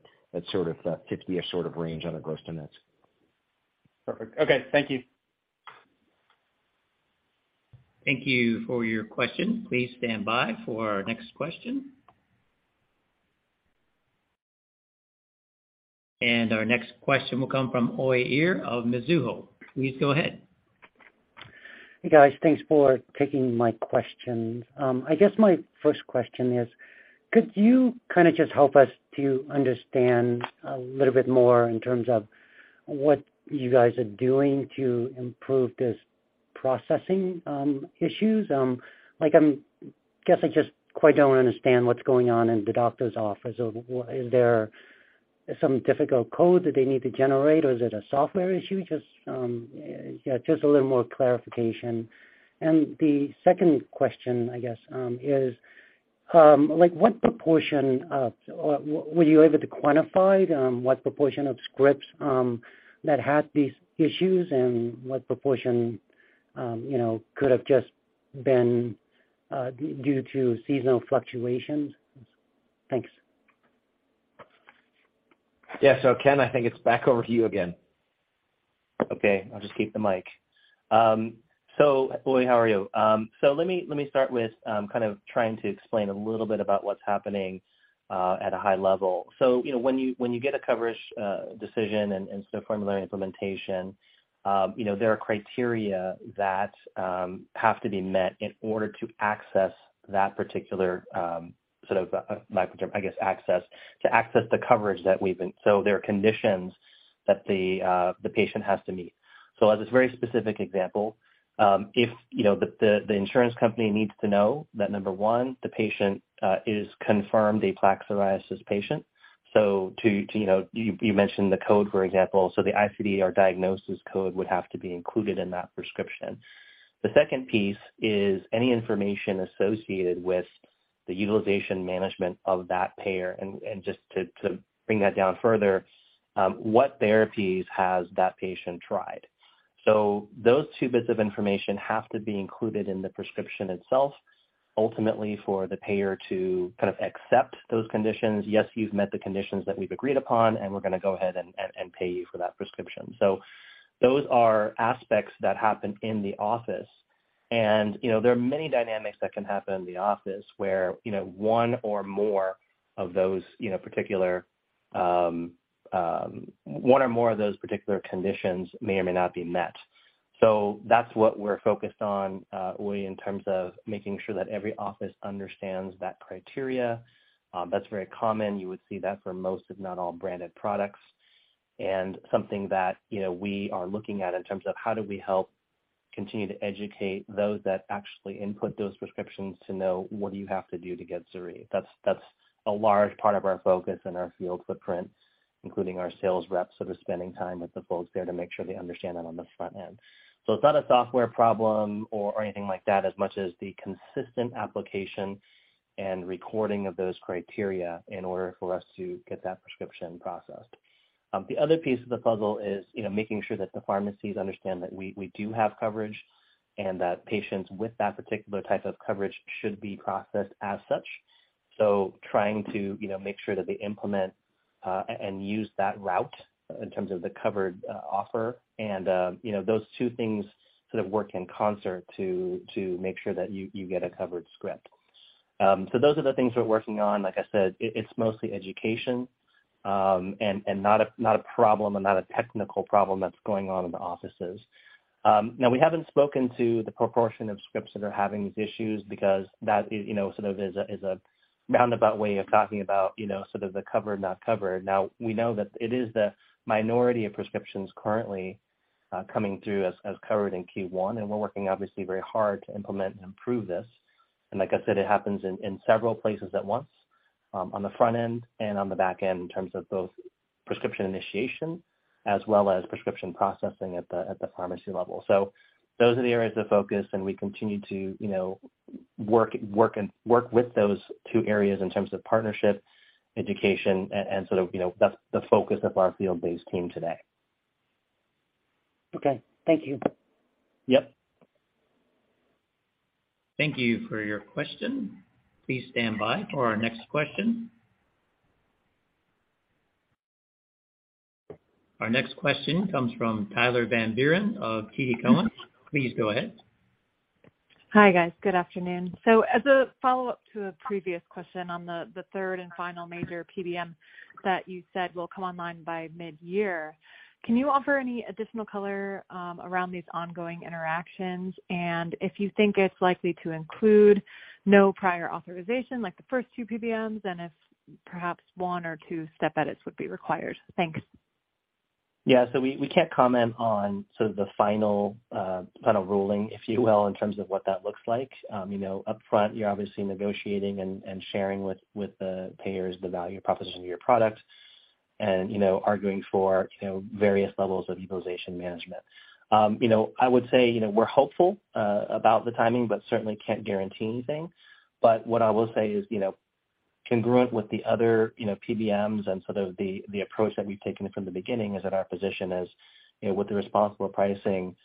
Speaker 3: sort of that 50th sort of range on a gross to net.
Speaker 8: Perfect. Okay. Thank you.
Speaker 1: Thank you for your question. Please stand by for our next question. Our next question will come from Uy Ear of Mizuho. Please go ahead.
Speaker 9: Hey, guys. Thanks for taking my questions. I guess my first question is, could you kind of just help us to understand a little bit more in terms of what you guys are doing to improve this processing issues? like, I guess I just quite don't understand what's going on in the doctor's office. Is there some difficult code that they need to generate or is it a software issue? Just, yeah, just a little more clarification. The second question, I guess, is, like, Were you able to quantify what proportion of scripts that had these issues and what proportion, you know, could have just been due to seasonal fluctuations? Thanks.
Speaker 3: Yeah. Ken, I think it's back over to you again.
Speaker 4: Okay. I'll just keep the mic. Uy Ear, how are you? Let me start with kind of trying to explain a little bit about what's happening at a high level. You know, when you get a coverage decision and sort of formulary implementation, you know, there are criteria that have to be met in order to access that particular sort of lack of term, I guess, access to access the coverage that we've been. There are conditions that the patient has to meet. As this very specific example, if, you know, the insurance company needs to know that, number one, the patient is confirmed a plaque psoriasis patient. To, you know, you mentioned the code, for example. The ICD or diagnosis code would have to be included in that prescription. The second piece is any information associated with the utilization management of that payer. Just to bring that down further, what therapies has that patient tried? Those two bits of information have to be included in the prescription itself, ultimately for the payer to kind of accept those conditions. Yes, you've met the conditions that we've agreed upon, and we're gonna go ahead and pay you for that prescription. Those are aspects that happen in the office. You know, there are many dynamics that can happen in the office where, you know, one or more of those particular conditions may or may not be met. That's what we're focused on, Uy Ear, in terms of making sure that every office understands that criteria. That's very common. You would see that for most, if not all, branded products. Something that, you know, we are looking at in terms of how do we help continue to educate those that actually input those prescriptions to know what do you have to do to get ZORYVE. That's a large part of our focus and our field footprint, including our sales reps, sort of spending time with the folks there to make sure they understand that on the front end. It's not a software problem or anything like that as much as the consistent application and recording of those criteria in order for us to get that prescription processed. The other piece of the puzzle is, you know, making sure that the pharmacies understand that we do have coverage and that patients with that particular type of coverage should be processed as such. Trying to, you know, make sure that they implement and use that route in terms of the covered offer. You know, those two things sort of work in concert to make sure that you get a covered script. Those are the things we're working on. Like I said, it's mostly education, and not a problem and not a technical problem that's going on in the offices. Now we haven't spoken to the proportion of scripts that are having these issues because that is sort of a roundabout way of talking about sort of the covered, not covered. Now, we know that it is the minority of prescriptions currently coming through as covered in Q1, and we're working obviously very hard to implement and improve this. Like I said, it happens in several places at once on the front end and on the back end in terms of both prescription initiation as well as prescription processing at the pharmacy level. Those are the areas of focus, and we continue to work with those two areas in terms of partnership, education, and sort of, that's the focus of our field-based team today.
Speaker 9: Okay. Thank you.
Speaker 4: Yep.
Speaker 1: Thank you for your question. Please stand by for our next question. Our next question comes from Tyler Van Buren of TD Cowen. Please go ahead.
Speaker 10: Hi, guys. Good afternoon. As a follow-up to a previous question on the third and final major PBM that you said will come online by mid-year, can you offer any additional color around these ongoing interactions? If you think it's likely to include no prior authorization like the first two PBMs, and if perhaps one or two step edits would be required? Thanks.
Speaker 4: We can't comment on sort of the final, kind of ruling, if you will, in terms of what that looks like. You know, upfront, you're obviously negotiating and sharing with the payers the value proposition of your product and, you know, arguing for, you know, various levels of utilization management. You know, I would say, you know, we're hopeful about the timing, but certainly can't guarantee anything. What I will say is, you know, congruent with the other, you know, PBMs and sort of the approach that we've taken from the beginning is that our position is, you know, with the responsible pricing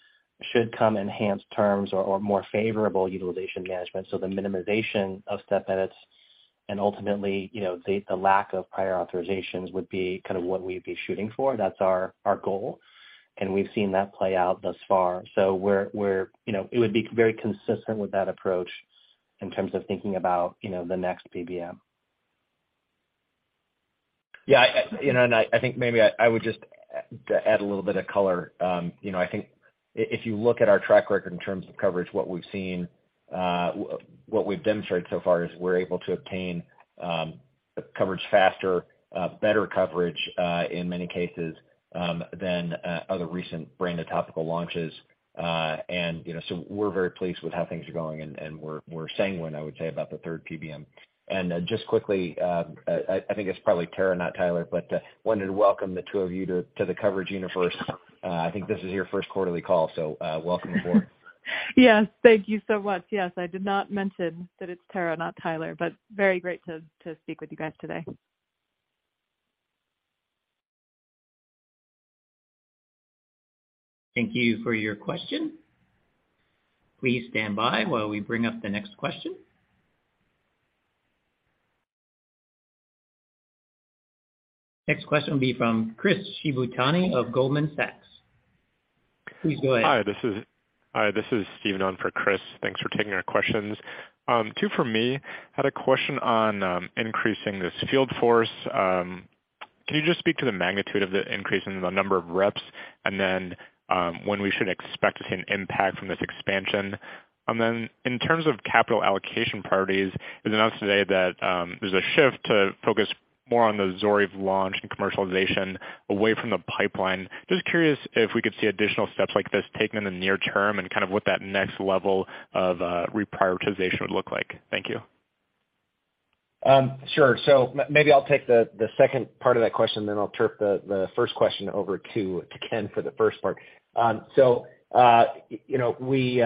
Speaker 4: should come enhanced terms or more favorable utilization management. The minimization of step edits and ultimately, you know, the lack of prior authorizations would be kind of what we'd be shooting for. That's our goal, and we've seen that play out thus far. We're, you know, it would be very consistent with that approach in terms of thinking about, you know, the next PBM.
Speaker 3: Yeah, you know, and I think maybe I would just add a little bit of color. You know, I think if you look at our track record in terms of coverage, what we've seen, what we've demonstrated so far is we're able to obtain coverage faster, better coverage, in many cases, than other recent brand of topical launches. You know, so we're very pleased with how things are going and we're sanguine, I would say, about the third PBM. Just quickly, I think it's probably Tara, not Tyler, but wanted to welcome the two of you to the coverage universe. I think this is your first quarterly call, so welcome aboard.
Speaker 10: Yes. Thank you so much. Yes. I did not mention that it's Tara, not Tyler, but very great to speak with you guys today.
Speaker 1: Thank you for your question. Please stand by while we bring up the next question. Next question will be from Chris Shibutani of Goldman Sachs. Please go ahead.
Speaker 11: Hi, this is Steve on for Chris. Thanks for taking our questions. Two from me. Had a question on increasing this field force. Can you just speak to the magnitude of the increase in the number of reps and then when we should expect to see an impact from this expansion? In terms of capital allocation priorities, it was announced today that there's a shift to focus more on the ZORYVE launch and commercialization away from the pipeline. Just curious if we could see additional steps like this taken in the near term and kind of what that next level of reprioritization would look like. Thank you.
Speaker 3: Sure. Maybe I'll take the second part of that question, then I'll turf the first question over to Ken for the first part. You know, we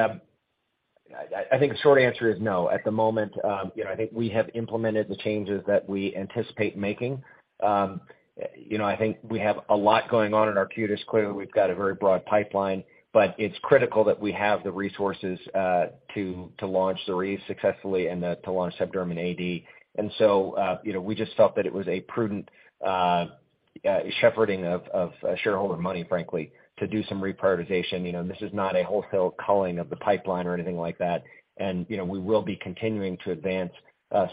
Speaker 3: think the short answer is no. At the moment, you know, I think we have implemented the changes that we anticipate making. You know, I think we have a lot going on in Arcutis. Clearly, we've got a very broad pipeline, but it's critical that we have the resources to launch ZORYVE successfully and to launch subdermal AD. You know, we just felt that it was a prudent shepherding of shareholder money, frankly, to do some reprioritization. You know, this is not a wholesale culling of the pipeline or anything like that. You know, we will be continuing to advance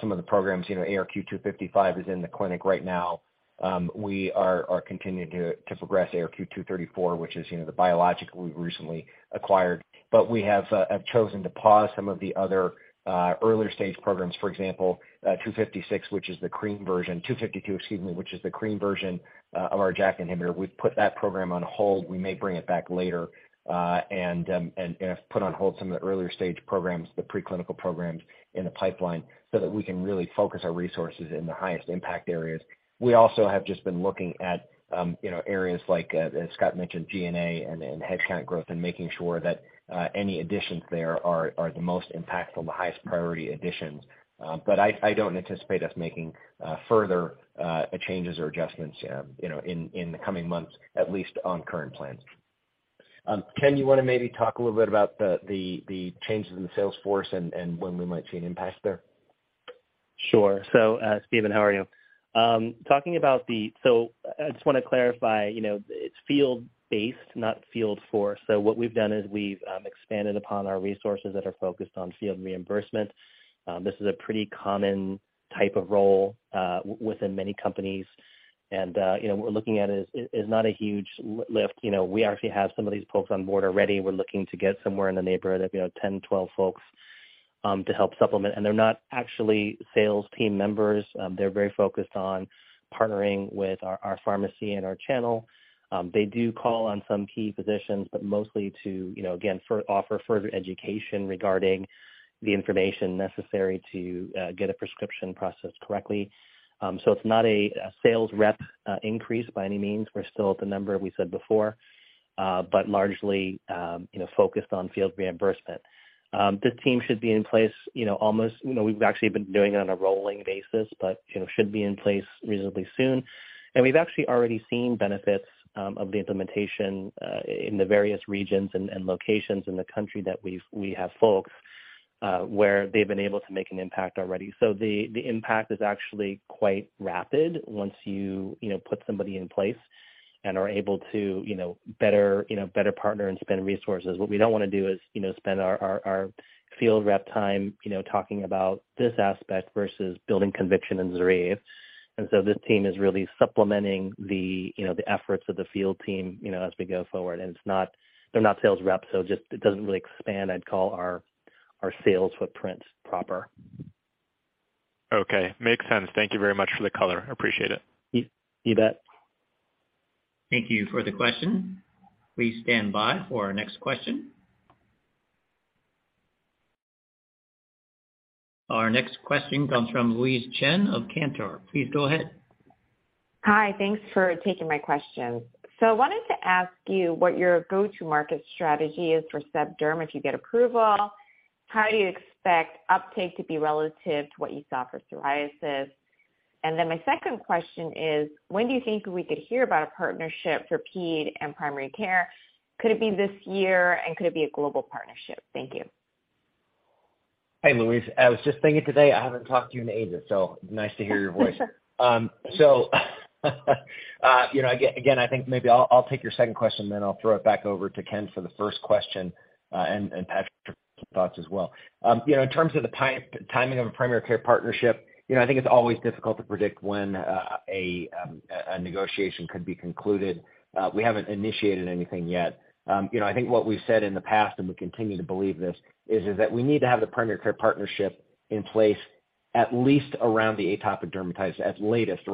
Speaker 3: some of the programs. You know, ARQ-255 is in the clinic right now. We are continuing to progress ARQ-234, which is, you know, the biologic we've recently acquired. We have chosen to pause some of the other earlier stage programs. For example, that 256 which is the cream version of our JAK inhibitor. We've put that program on hold. We may bring it back later and have put on hold some of the earlier stage programs, the preclinical programs in the pipeline, so that we can really focus our resources in the highest impact areas. We also have just been looking at, you know, areas like, as Scott mentioned, G&A and headcount growth and making sure that any additions there are the most impactful, the highest priority additions. I don't anticipate us making further changes or adjustments, you know, in the coming months, at least on current plans. Ken, you wanna maybe talk a little bit about the changes in the sales force and when we might see an impact there?
Speaker 4: Sure. Steven, how are you? I just wanna clarify, you know, it's field-based, not field force. What we've done is we've expanded upon our resources that are focused on field reimbursement. This is a pretty common type of role within many companies. You know, what we're looking at is not a huge lift. You know, we actually have some of these folks on board already. We're looking to get somewhere in the neighborhood of, you know, 10, 12 folks to help supplement. They're not actually sales team members. They're very focused on partnering with our pharmacy and our channel. They do call on some key positions, but mostly to, you know, again, offer further education regarding the information necessary to get a prescription processed correctly. It's not a sales rep increase by any means. We're still at the number we said before, but largely, you know, focused on field reimbursement. This team should be in place, you know, almost, you know, we've actually been doing it on a rolling basis, but, you know, should be in place reasonably soon. We've actually already seen benefits of the implementation in the various regions and locations in the country that we have folks where they've been able to make an impact already. The impact is actually quite rapid once you know, put somebody in place and are able to, you know, better partner and spend resources. What we don't wanna do is, you know, spend our field rep time, you know, talking about this aspect versus building conviction in ZORYVE. This team is really supplementing the, you know, the efforts of the field team, you know, as we go forward. It's not they're not sales reps, so just it doesn't really expand, I'd call our sales footprint proper.
Speaker 11: Okay. Makes sense. Thank you very much for the color. Appreciate it.
Speaker 4: You bet.
Speaker 1: Thank you for the question. Please stand by for our next question. Our next question comes from Louise Chen of Cantor. Please go ahead.
Speaker 12: Hi. Thanks for taking my questions. I wanted to ask you what your go-to-market strategy is for SebDerm if you get approval. How do you expect uptake to be relative to what you saw for psoriasis? My second question is, when do you think we could hear about a partnership for PED and primary care? Could it be this year, and could it be a global partnership? Thank you.
Speaker 3: Hey, Louise. I was just thinking today, I haven't talked to you in ages, so nice to hear your voice. You know, again, I think maybe I'll take your second question, then I'll throw it back over to Ken for the first question, and Patrick for some thoughts as well. You know, in terms of the timing of a primary care partnership, you know, I think it's always difficult to predict when a negotiation could be concluded. We haven't initiated anything yet. You know, I think what we've said in the past, and we continue to believe this, is that we need to have the primary care partnership in place at latest around the atopic dermatitis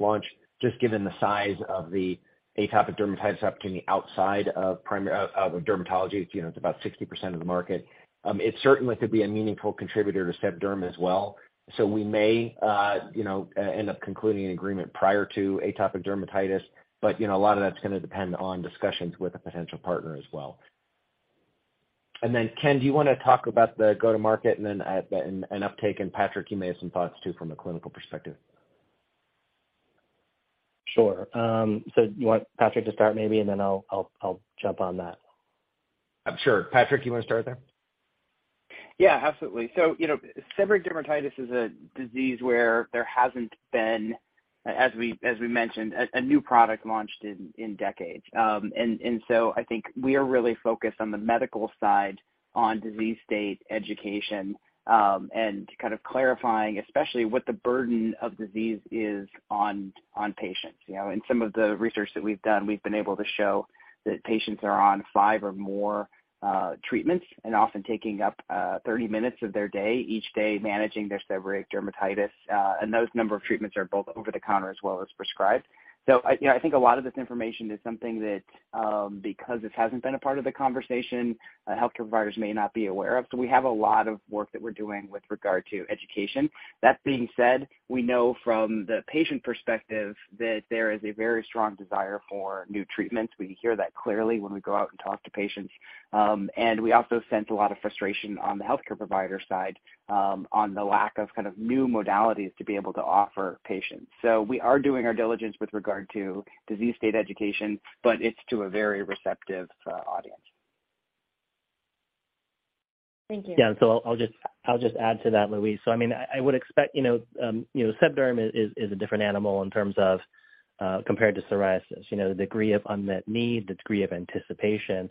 Speaker 3: launch, just given the size of the atopic dermatitis opportunity outside of primary... of dermatology. You know, it's about 60% of the market. It certainly could be a meaningful contributor to SebDerm as well. We may, you know, end up concluding an agreement prior to atopic dermatitis, but, you know, a lot of that's gonna depend on discussions with a potential partner as well. Then Ken, do you wanna talk about the go-to-market and then add an uptake? Patrick, you may have some thoughts too from a clinical perspective.
Speaker 4: Sure. You want Patrick to start maybe, and then I'll jump on that.
Speaker 3: Sure. Patrick, you wanna start there?
Speaker 5: Yeah, absolutely. you know, seborrheic dermatitis is a disease where there hasn't been, as we mentioned, a new product launched in decades. I think we are really focused on the medical side on disease state education, and kind of clarifying especially what the burden of disease is on patients, you know. In some of the research that we've done, we've been able to show that patients are on five or more treatments and often taking up 30 minutes of their day, each day managing their seborrheic dermatitis. Those number of treatments are both over the counter as well as prescribed. I, you know, I think a lot of this information is something that, because this hasn't been a part of the conversation, healthcare providers may not be aware of. We have a lot of work that we're doing with regard to education. That being said, we know from the patient perspective that there is a very strong desire for new treatments. We hear that clearly when we go out and talk to patients. We also sense a lot of frustration on the healthcare provider side, on the lack of kind of new modalities to be able to offer patients. We are doing our diligence with regard to disease state education, but it's to a very receptive, audience.
Speaker 12: Thank you.
Speaker 4: Yeah. I'll just add to that, Louise. I mean, I would expect, you know, you know, SebDerm is a different animal in terms of, compared to psoriasis. You know, the degree of unmet need, the degree of anticipation, and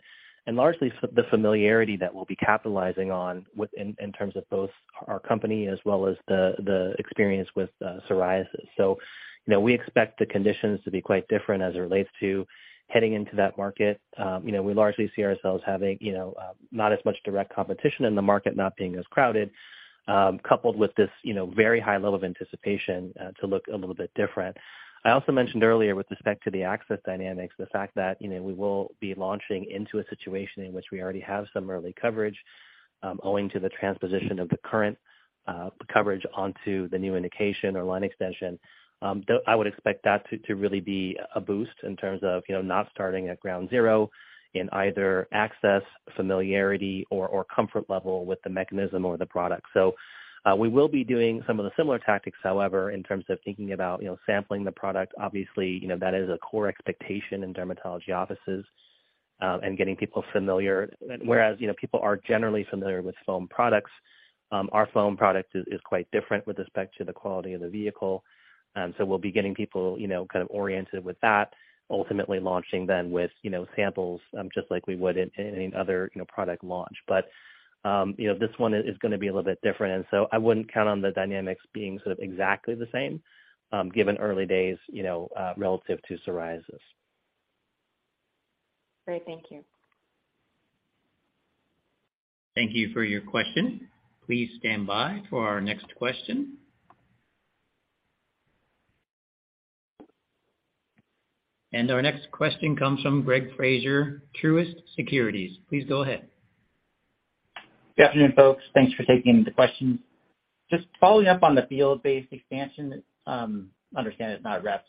Speaker 4: largely the familiarity that we'll be capitalizing on in terms of both our company as well as the experience with psoriasis. You know, we expect the conditions to be quite different as it relates to heading into that market. You know, we largely see ourselves having, you know, not as much direct competition in the market, not being as crowded, coupled with this, you know, very high level of anticipation, to look a little bit different. I also mentioned earlier with respect to the access dynamics, the fact that, you know, we will be launching into a situation in which we already have some early coverage, owing to the transposition of the current coverage onto the new indication or line extension. I would expect that to really be a boost in terms of, you know, not starting at ground zero in either access, familiarity or comfort level with the mechanism or the product. We will be doing some of the similar tactics, however, in terms of thinking about, you know, sampling the product. Obviously, you know, that is a core expectation in dermatology offices, and getting people familiar. Whereas, you know, people are generally familiar with foam products, our foam product is quite different with respect to the quality of the vehicle. We'll be getting people, you know, kind of oriented with that, ultimately launching then with, you know, samples, just like we would in any other, you know, product launch. You know, this one is gonna be a little bit different. I wouldn't count on the dynamics being sort of exactly the same, given early days, you know, relative to psoriasis.
Speaker 12: Great. Thank you.
Speaker 1: Thank you for your question. Please stand by for our next question. Our next question comes from Greg Fraser, Truist Securities. Please go ahead.
Speaker 13: Good afternoon, folks. Thanks for taking the questions. Just following up on the field-based expansion, understand it's not reps.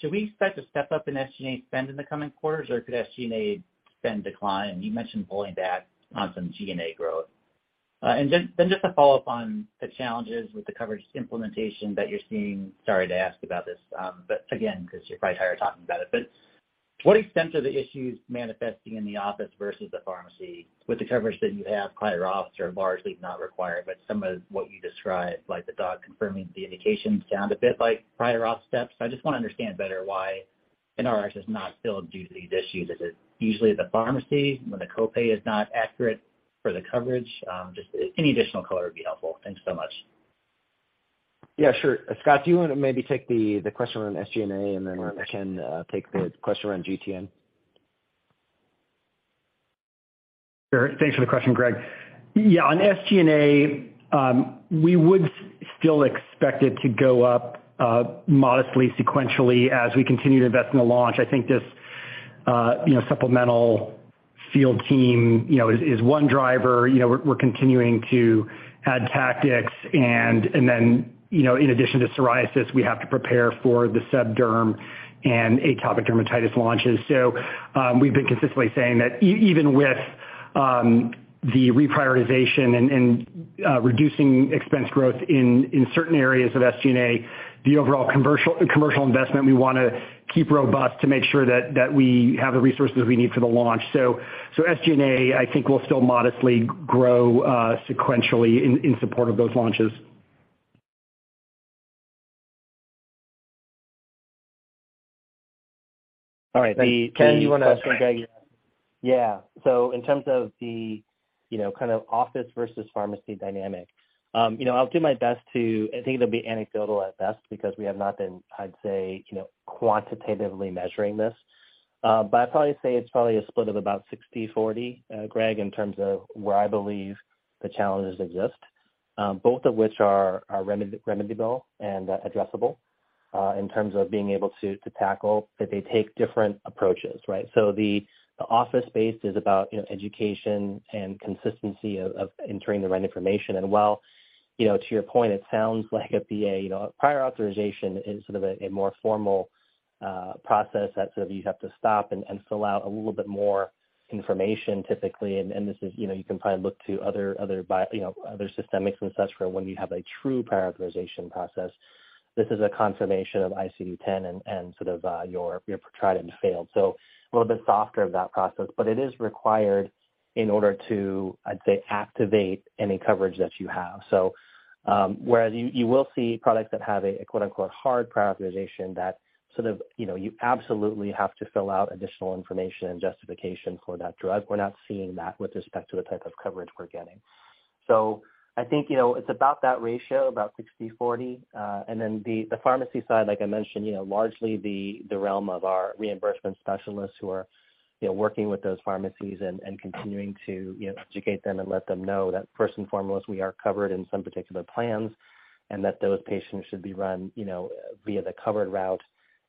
Speaker 13: Should we expect a step up in SG&A spend in the coming quarters or could SG&A spend decline? You mentioned pulling back on some G&A growth. Just to follow up on the challenges with the coverage implementation that you're seeing, sorry to ask about this, but again, 'cause you're probably tired of talking about it, but what extent are the issues manifesting in the office versus the pharmacy with the coverage that you have? Prior auths are largely not required, but some of what you described, like the doc confirming the indications, sound a bit like prior auth steps. I just wanna understand better why NRx is not still due to these issues. Is it usually the pharmacy when the copay is not accurate for the coverage? Just any additional color would be helpful. Thanks so much.
Speaker 3: Sure. Scott, do you wanna maybe take the question around SG&A, and then Ken, take the question around GTN.
Speaker 6: Sure. Thanks for the question, Greg. On SG&A, we would still expect it to go up modestly, sequentially as we continue to invest in the launch. I think this, you know, supplemental field team, you know, is one driver. You know, we're continuing to add tactics and then, you know, in addition to psoriasis, we have to prepare for the SebDerm and atopic dermatitis launches. We've been consistently saying that even with the reprioritization and reducing expense growth in certain areas of SG&A, the overall commercial investment, we wanna keep robust to make sure that we have the resources we need for the launch. SG&A, I think will still modestly grow, sequentially in support of those launches.
Speaker 3: All right. Ken, do you.
Speaker 4: Yeah. In terms of the, you know, kind of office versus pharmacy dynamic, you know, I think it'll be anecdotal at best because we have not been, I'd say, you know, quantitatively measuring this. I'd probably say it's probably a split of about 60/40, Greg, in terms of where I believe the challenges exist, both of which are remedy-able and addressable in terms of being able to tackle, but they take different approaches, right? The office space is about, you know, education and consistency of entering the right information. While, you know, to your point, it sounds like it'd be a, you know, a prior authorization is sort of a more formal process that sort of you have to stop and fill out a little bit more information typically. This is, you know, you can probably look to other, you know, other systemics and such for when you have a true prior authorization process. This is a confirmation of ICD-10 and sort of, your tried and failed. A little bit softer of that process, but it is required in order to, I'd say, activate any coverage that you have. Whereas you will see products that have a quote unquote hard prioritization that sort of, you know, you absolutely have to fill out additional information and justification for that drug. We're not seeing that with respect to the type of coverage we're getting. I think, you know, it's about that ratio, about 60/40. The pharmacy side, like I mentioned, you know, largely the realm of our reimbursement specialists who are, you know, working with those pharmacies and continuing to, you know, educate them and let them know that first and foremost, we are covered in some particular plans and that those patients should be run, you know, via the covered route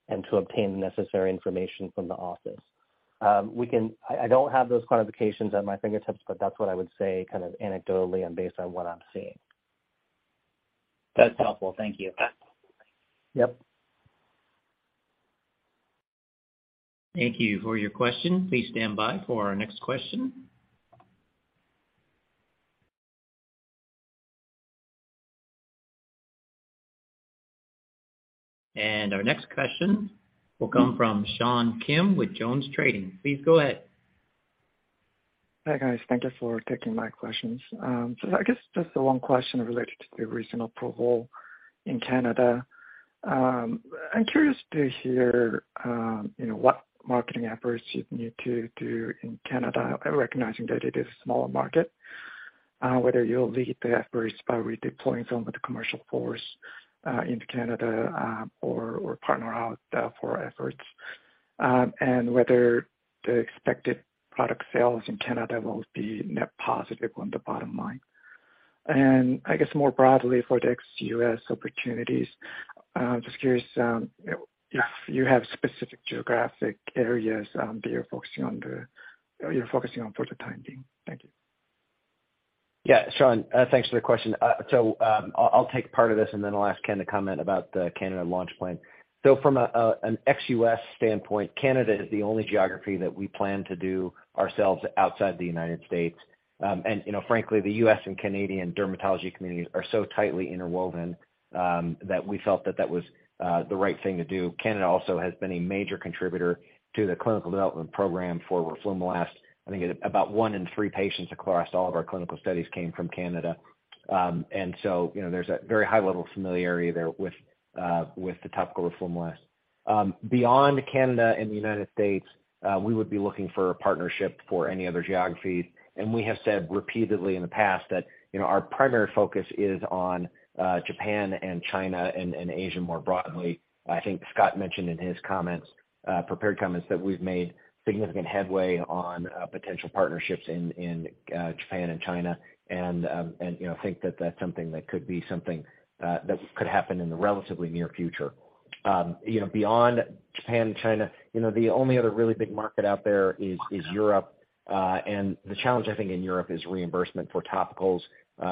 Speaker 4: and to obtain the necessary information from the office. I don't have those quantifications on my fingertips, but that's what I would say kind of anecdotally and based on what I'm seeing.
Speaker 13: That's helpful. Thank you.
Speaker 4: Yep.
Speaker 1: Thank you for your question. Please stand by for our next question. Our next question will come from Sean Kim with JonesTrading. Please go ahead.
Speaker 14: Hi, guys. Thank you for taking my questions. I guess just the one question related to the recent approval in Canada. I'm curious to hear, you know, what marketing efforts you need to do in Canada, recognizing that it is a smaller market, whether you'll lead the efforts by redeploying some of the commercial force into Canada, or partner out for efforts, and whether the expected product sales in Canada will be net positive on the bottom line. I guess more broadly for the ex-U.S. opportunities, just curious, if you have specific geographic areas that you're focusing on for the time being. Thank you.
Speaker 3: Yeah. Sean, thanks for the question. I'll take part of this, and then I'll ask Ken to comment about the Canada launch plan. From an ex-U.S. standpoint, Canada is the only geography that we plan to do ourselves outside the United States. You know, frankly, the U.S. and Canadian dermatology communities are so tightly interwoven, that we felt that that was the right thing to do. Canada also has been a major contributor to the clinical development program for roflumilast. I think about one in three patients across all of our clinical studies came from Canada. You know, there's a very high level of familiarity there with the topical roflumilast. Beyond Canada and the United States, we would be looking for a partnership for any other geographies. We have said repeatedly in the past that, you know, our primary focus is on Japan and China and Asia more broadly. I think Scott mentioned in his comments, prepared comments, that we've made significant headway on potential partnerships in Japan and China. And, you know, think that that's something that could be something that could happen in the relatively near future. You know, beyond Japan and China, you know, the only other really big market out there is Europe. The challenge, I think, in Europe is reimbursement for topicals.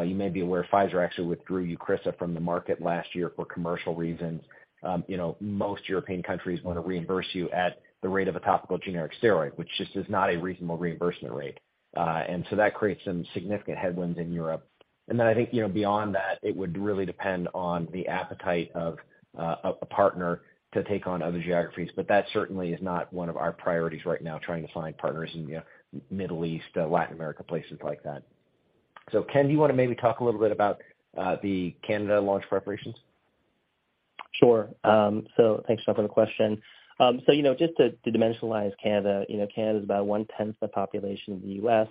Speaker 3: You may be aware Pfizer actually withdrew Eucrisa from the market last year for commercial reasons. You know, most European countries want to reimburse you at the rate of a topical generic steroid, which just is not a reasonable reimbursement rate. That creates some significant headwinds in Europe. Then I think, you know, beyond that, it would really depend on the appetite of a partner to take on other geographies. That certainly is not one of our priorities right now, trying to find partners in the Middle East, Latin America, places like that. Ken, do you wanna maybe talk a little bit about the Canada launch preparations?
Speaker 4: Thanks, Sean, for the question. You know, just to dimensionalize Canada, you know, Canada is about 1/10 the population of the U.S.,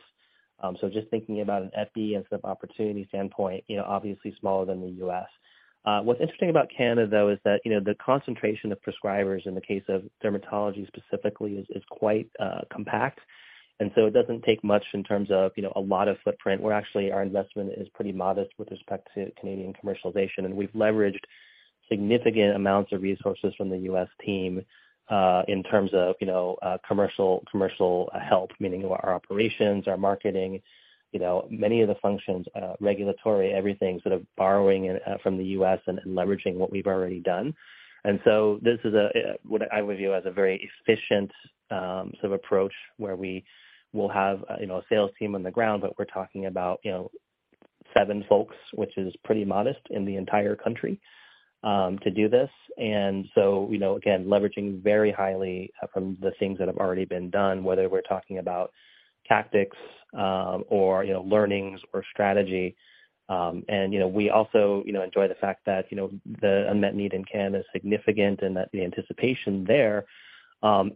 Speaker 4: just thinking about an epi and sort of opportunity standpoint, you know, obviously smaller than the U.S. What's interesting about Canada, though, is that, you know, the concentration of prescribers in the case of dermatology specifically is quite compact. It doesn't take much in terms of, you know, a lot of footprint. Our investment is pretty modest with respect to Canadian commercialization, and we've leveraged significant amounts of resources from the U.S. team, in terms of, you know, commercial help, meaning our operations, our marketing, you know, many of the functions, regulatory, everything sort of borrowing from the U.S. and leveraging what we've already done. This is what I would view as a very efficient sort of approach where we will have, you know, a sales team on the ground, but we're talking about, you know, seven folks, which is pretty modest in the entire country to do this. You know, again, leveraging very highly from the things that have already been done, whether we're talking about tactics or, you know, learnings or strategy. You know, we also, you know, enjoy the fact that, you know, the unmet need in Canada is significant and that the anticipation there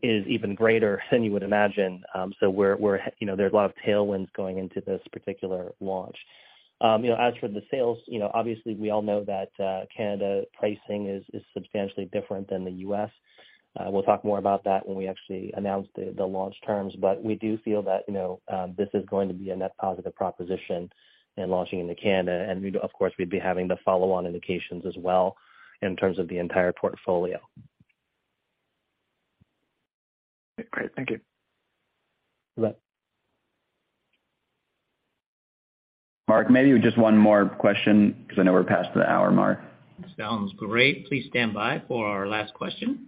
Speaker 4: is even greater than you would imagine. We're, you know, there are a lot of tailwinds going into this particular launch. You know, as for the sales, you know, obviously we all know that Canada pricing is substantially different than the U.S. We'll talk more about that when we actually announce the launch terms. We do feel that, you know, this is going to be a net positive proposition in launching into Canada. We'd, of course, we'd be having the follow-on indications as well in terms of the entire portfolio.
Speaker 14: Great. Thank you.
Speaker 4: You bet.
Speaker 3: Mark, maybe just one more question because I know we're past the hour mark.
Speaker 1: Sounds great. Please stand by for our last question.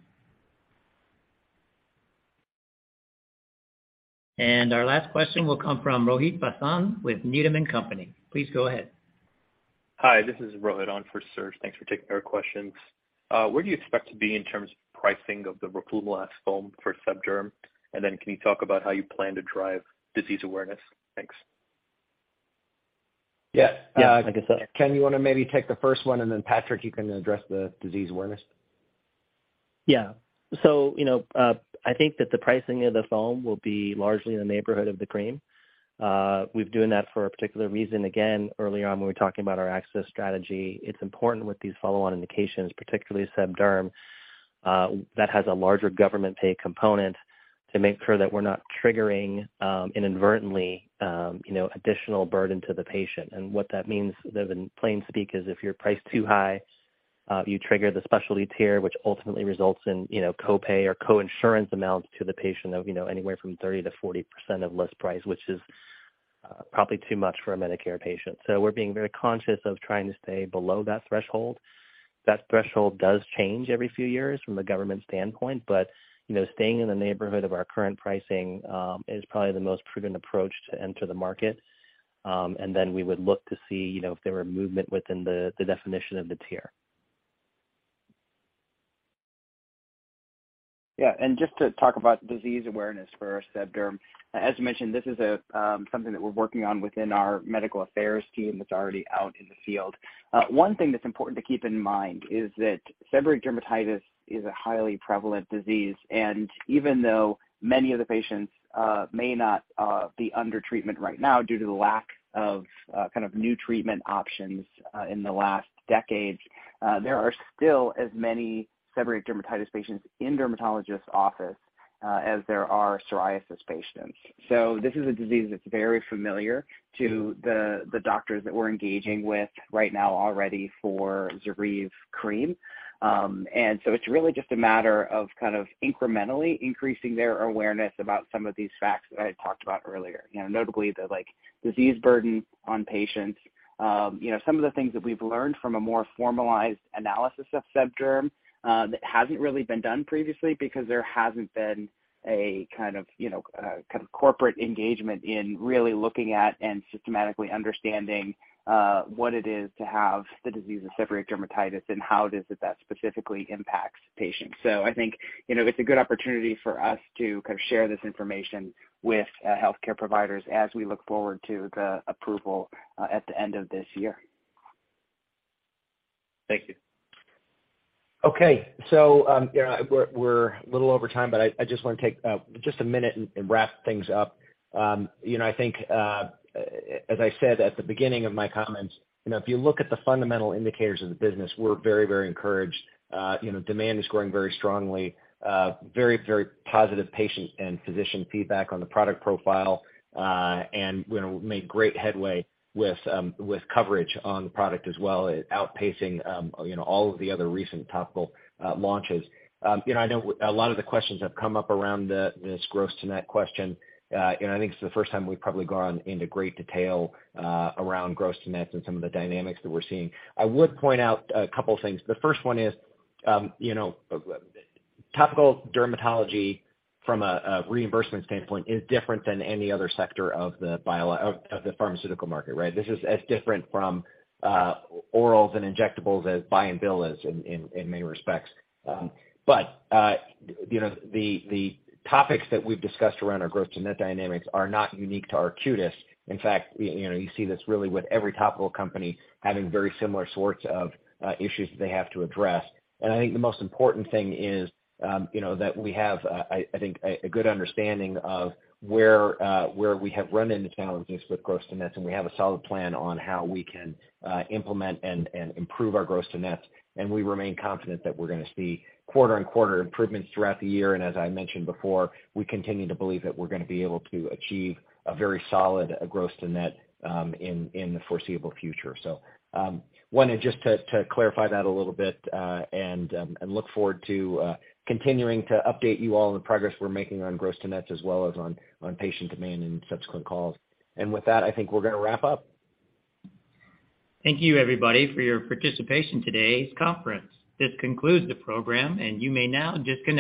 Speaker 1: Our last question will come from Rohit Bhasin with Needham & Company. Please go ahead.
Speaker 15: Hi, this is Rohit on for Serge. Thanks for taking our questions. Where do you expect to be in terms of pricing of the roflumilast foam for SebDerm? Can you talk about how you plan to drive disease awareness? Thanks.
Speaker 4: Yeah.
Speaker 3: Yeah. I guess, Ken, you wanna maybe take the first one and then Patrick, you can address the disease awareness.
Speaker 4: Yeah. You know, I think that the pricing of the foam will be largely in the neighborhood of the cream. We're doing that for a particular reason. Again, early on when we were talking about our access strategy, it's important with these follow-on indications, particularly SebDerm, that has a larger government pay component to make sure that we're not triggering, inadvertently, you know, additional burden to the patient. What that means, the plain speak is if you're priced too high, you trigger the specialty tier, which ultimately results in, you know, co-pay or co-insurance amounts to the patient of, you know, anywhere from 30%-40% of list price, which is probably too much for a Medicare patient. We're being very conscious of trying to stay below that threshold. That threshold does change every few years from the government standpoint, you know, staying in the neighborhood of our current pricing is probably the most prudent approach to enter the market. Then we would look to see, you know, if there were movement within the definition of the tier.
Speaker 5: Yeah. Just to talk about disease awareness for SebDerm. As you mentioned, this is something that we're working on within our medical affairs team that's already out in the field. One thing that's important to keep in mind is that seborrheic dermatitis is a highly prevalent disease. Even though many of the patients may not be under treatment right now due to the lack of kind of new treatment options in the last decade, there are still as many seborrheic dermatitis patients in dermatologist office as there are psoriasis patients. This is a disease that's very familiar to the doctors that we're engaging with right now already for ZORYVE cream. It's really just a matter of kind of incrementally increasing their awareness about some of these facts that I talked about earlier. You know, notably the like, disease burden on patients. You know, some of the things that we've learned from a more formalized analysis of SebDerm, that hasn't really been done previously because there hasn't been a kind of, you know, kind of corporate engagement in really looking at and systematically understanding, what it is to have the disease of seborrheic dermatitis and how does that specifically impacts patients. I think, you know, it's a good opportunity for us to kind of share this information with healthcare providers as we look forward to the approval at the end of this year.
Speaker 15: Thank you.
Speaker 3: Okay. Yeah, we're a little over time, but I just wanna take just a minute and wrap things up. You know, I think, as I said at the beginning of my comments, you know, if you look at the fundamental indicators of the business, we're very, very encouraged. You know, demand is growing very strongly, very, very positive patient and physician feedback on the product profile, and, you know, made great headway with coverage on the product as well, outpacing, you know, all of the other recent topical launches. You know, I know a lot of the questions have come up around this gross to net question. I think it's the first time we've probably gone into great detail around gross to nets and some of the dynamics that we're seeing. I would point out a couple of things. The first one is, you know, topical dermatology from a reimbursement standpoint is different than any other sector of the pharmaceutical market, right? This is as different from orals and injectables as buy and bill is in many respects. You know, the topics that we've discussed around our gross to net dynamics are not unique to Arcutis. In fact, you know, you see this really with every topical company having very similar sorts of issues that they have to address. I think the most important thing is, you know, that we have I think a good understanding of where we have run into challenges with gross to nets, and we have a solid plan on how we can implement and improve our gross to nets, and we remain confident that we're gonna see quarter and quarter improvements throughout the year. As I mentioned before, we continue to believe that we're gonna be able to achieve a very solid gross to net in the foreseeable future. Wanted just to clarify that a little bit, and look forward to continuing to update you all on the progress we're making on gross to nets as well as on patient demand in subsequent calls. With that, I think we're gonna wrap up.
Speaker 1: Thank you, everybody, for your participation in today's conference. This concludes the program, and you may now disconnect.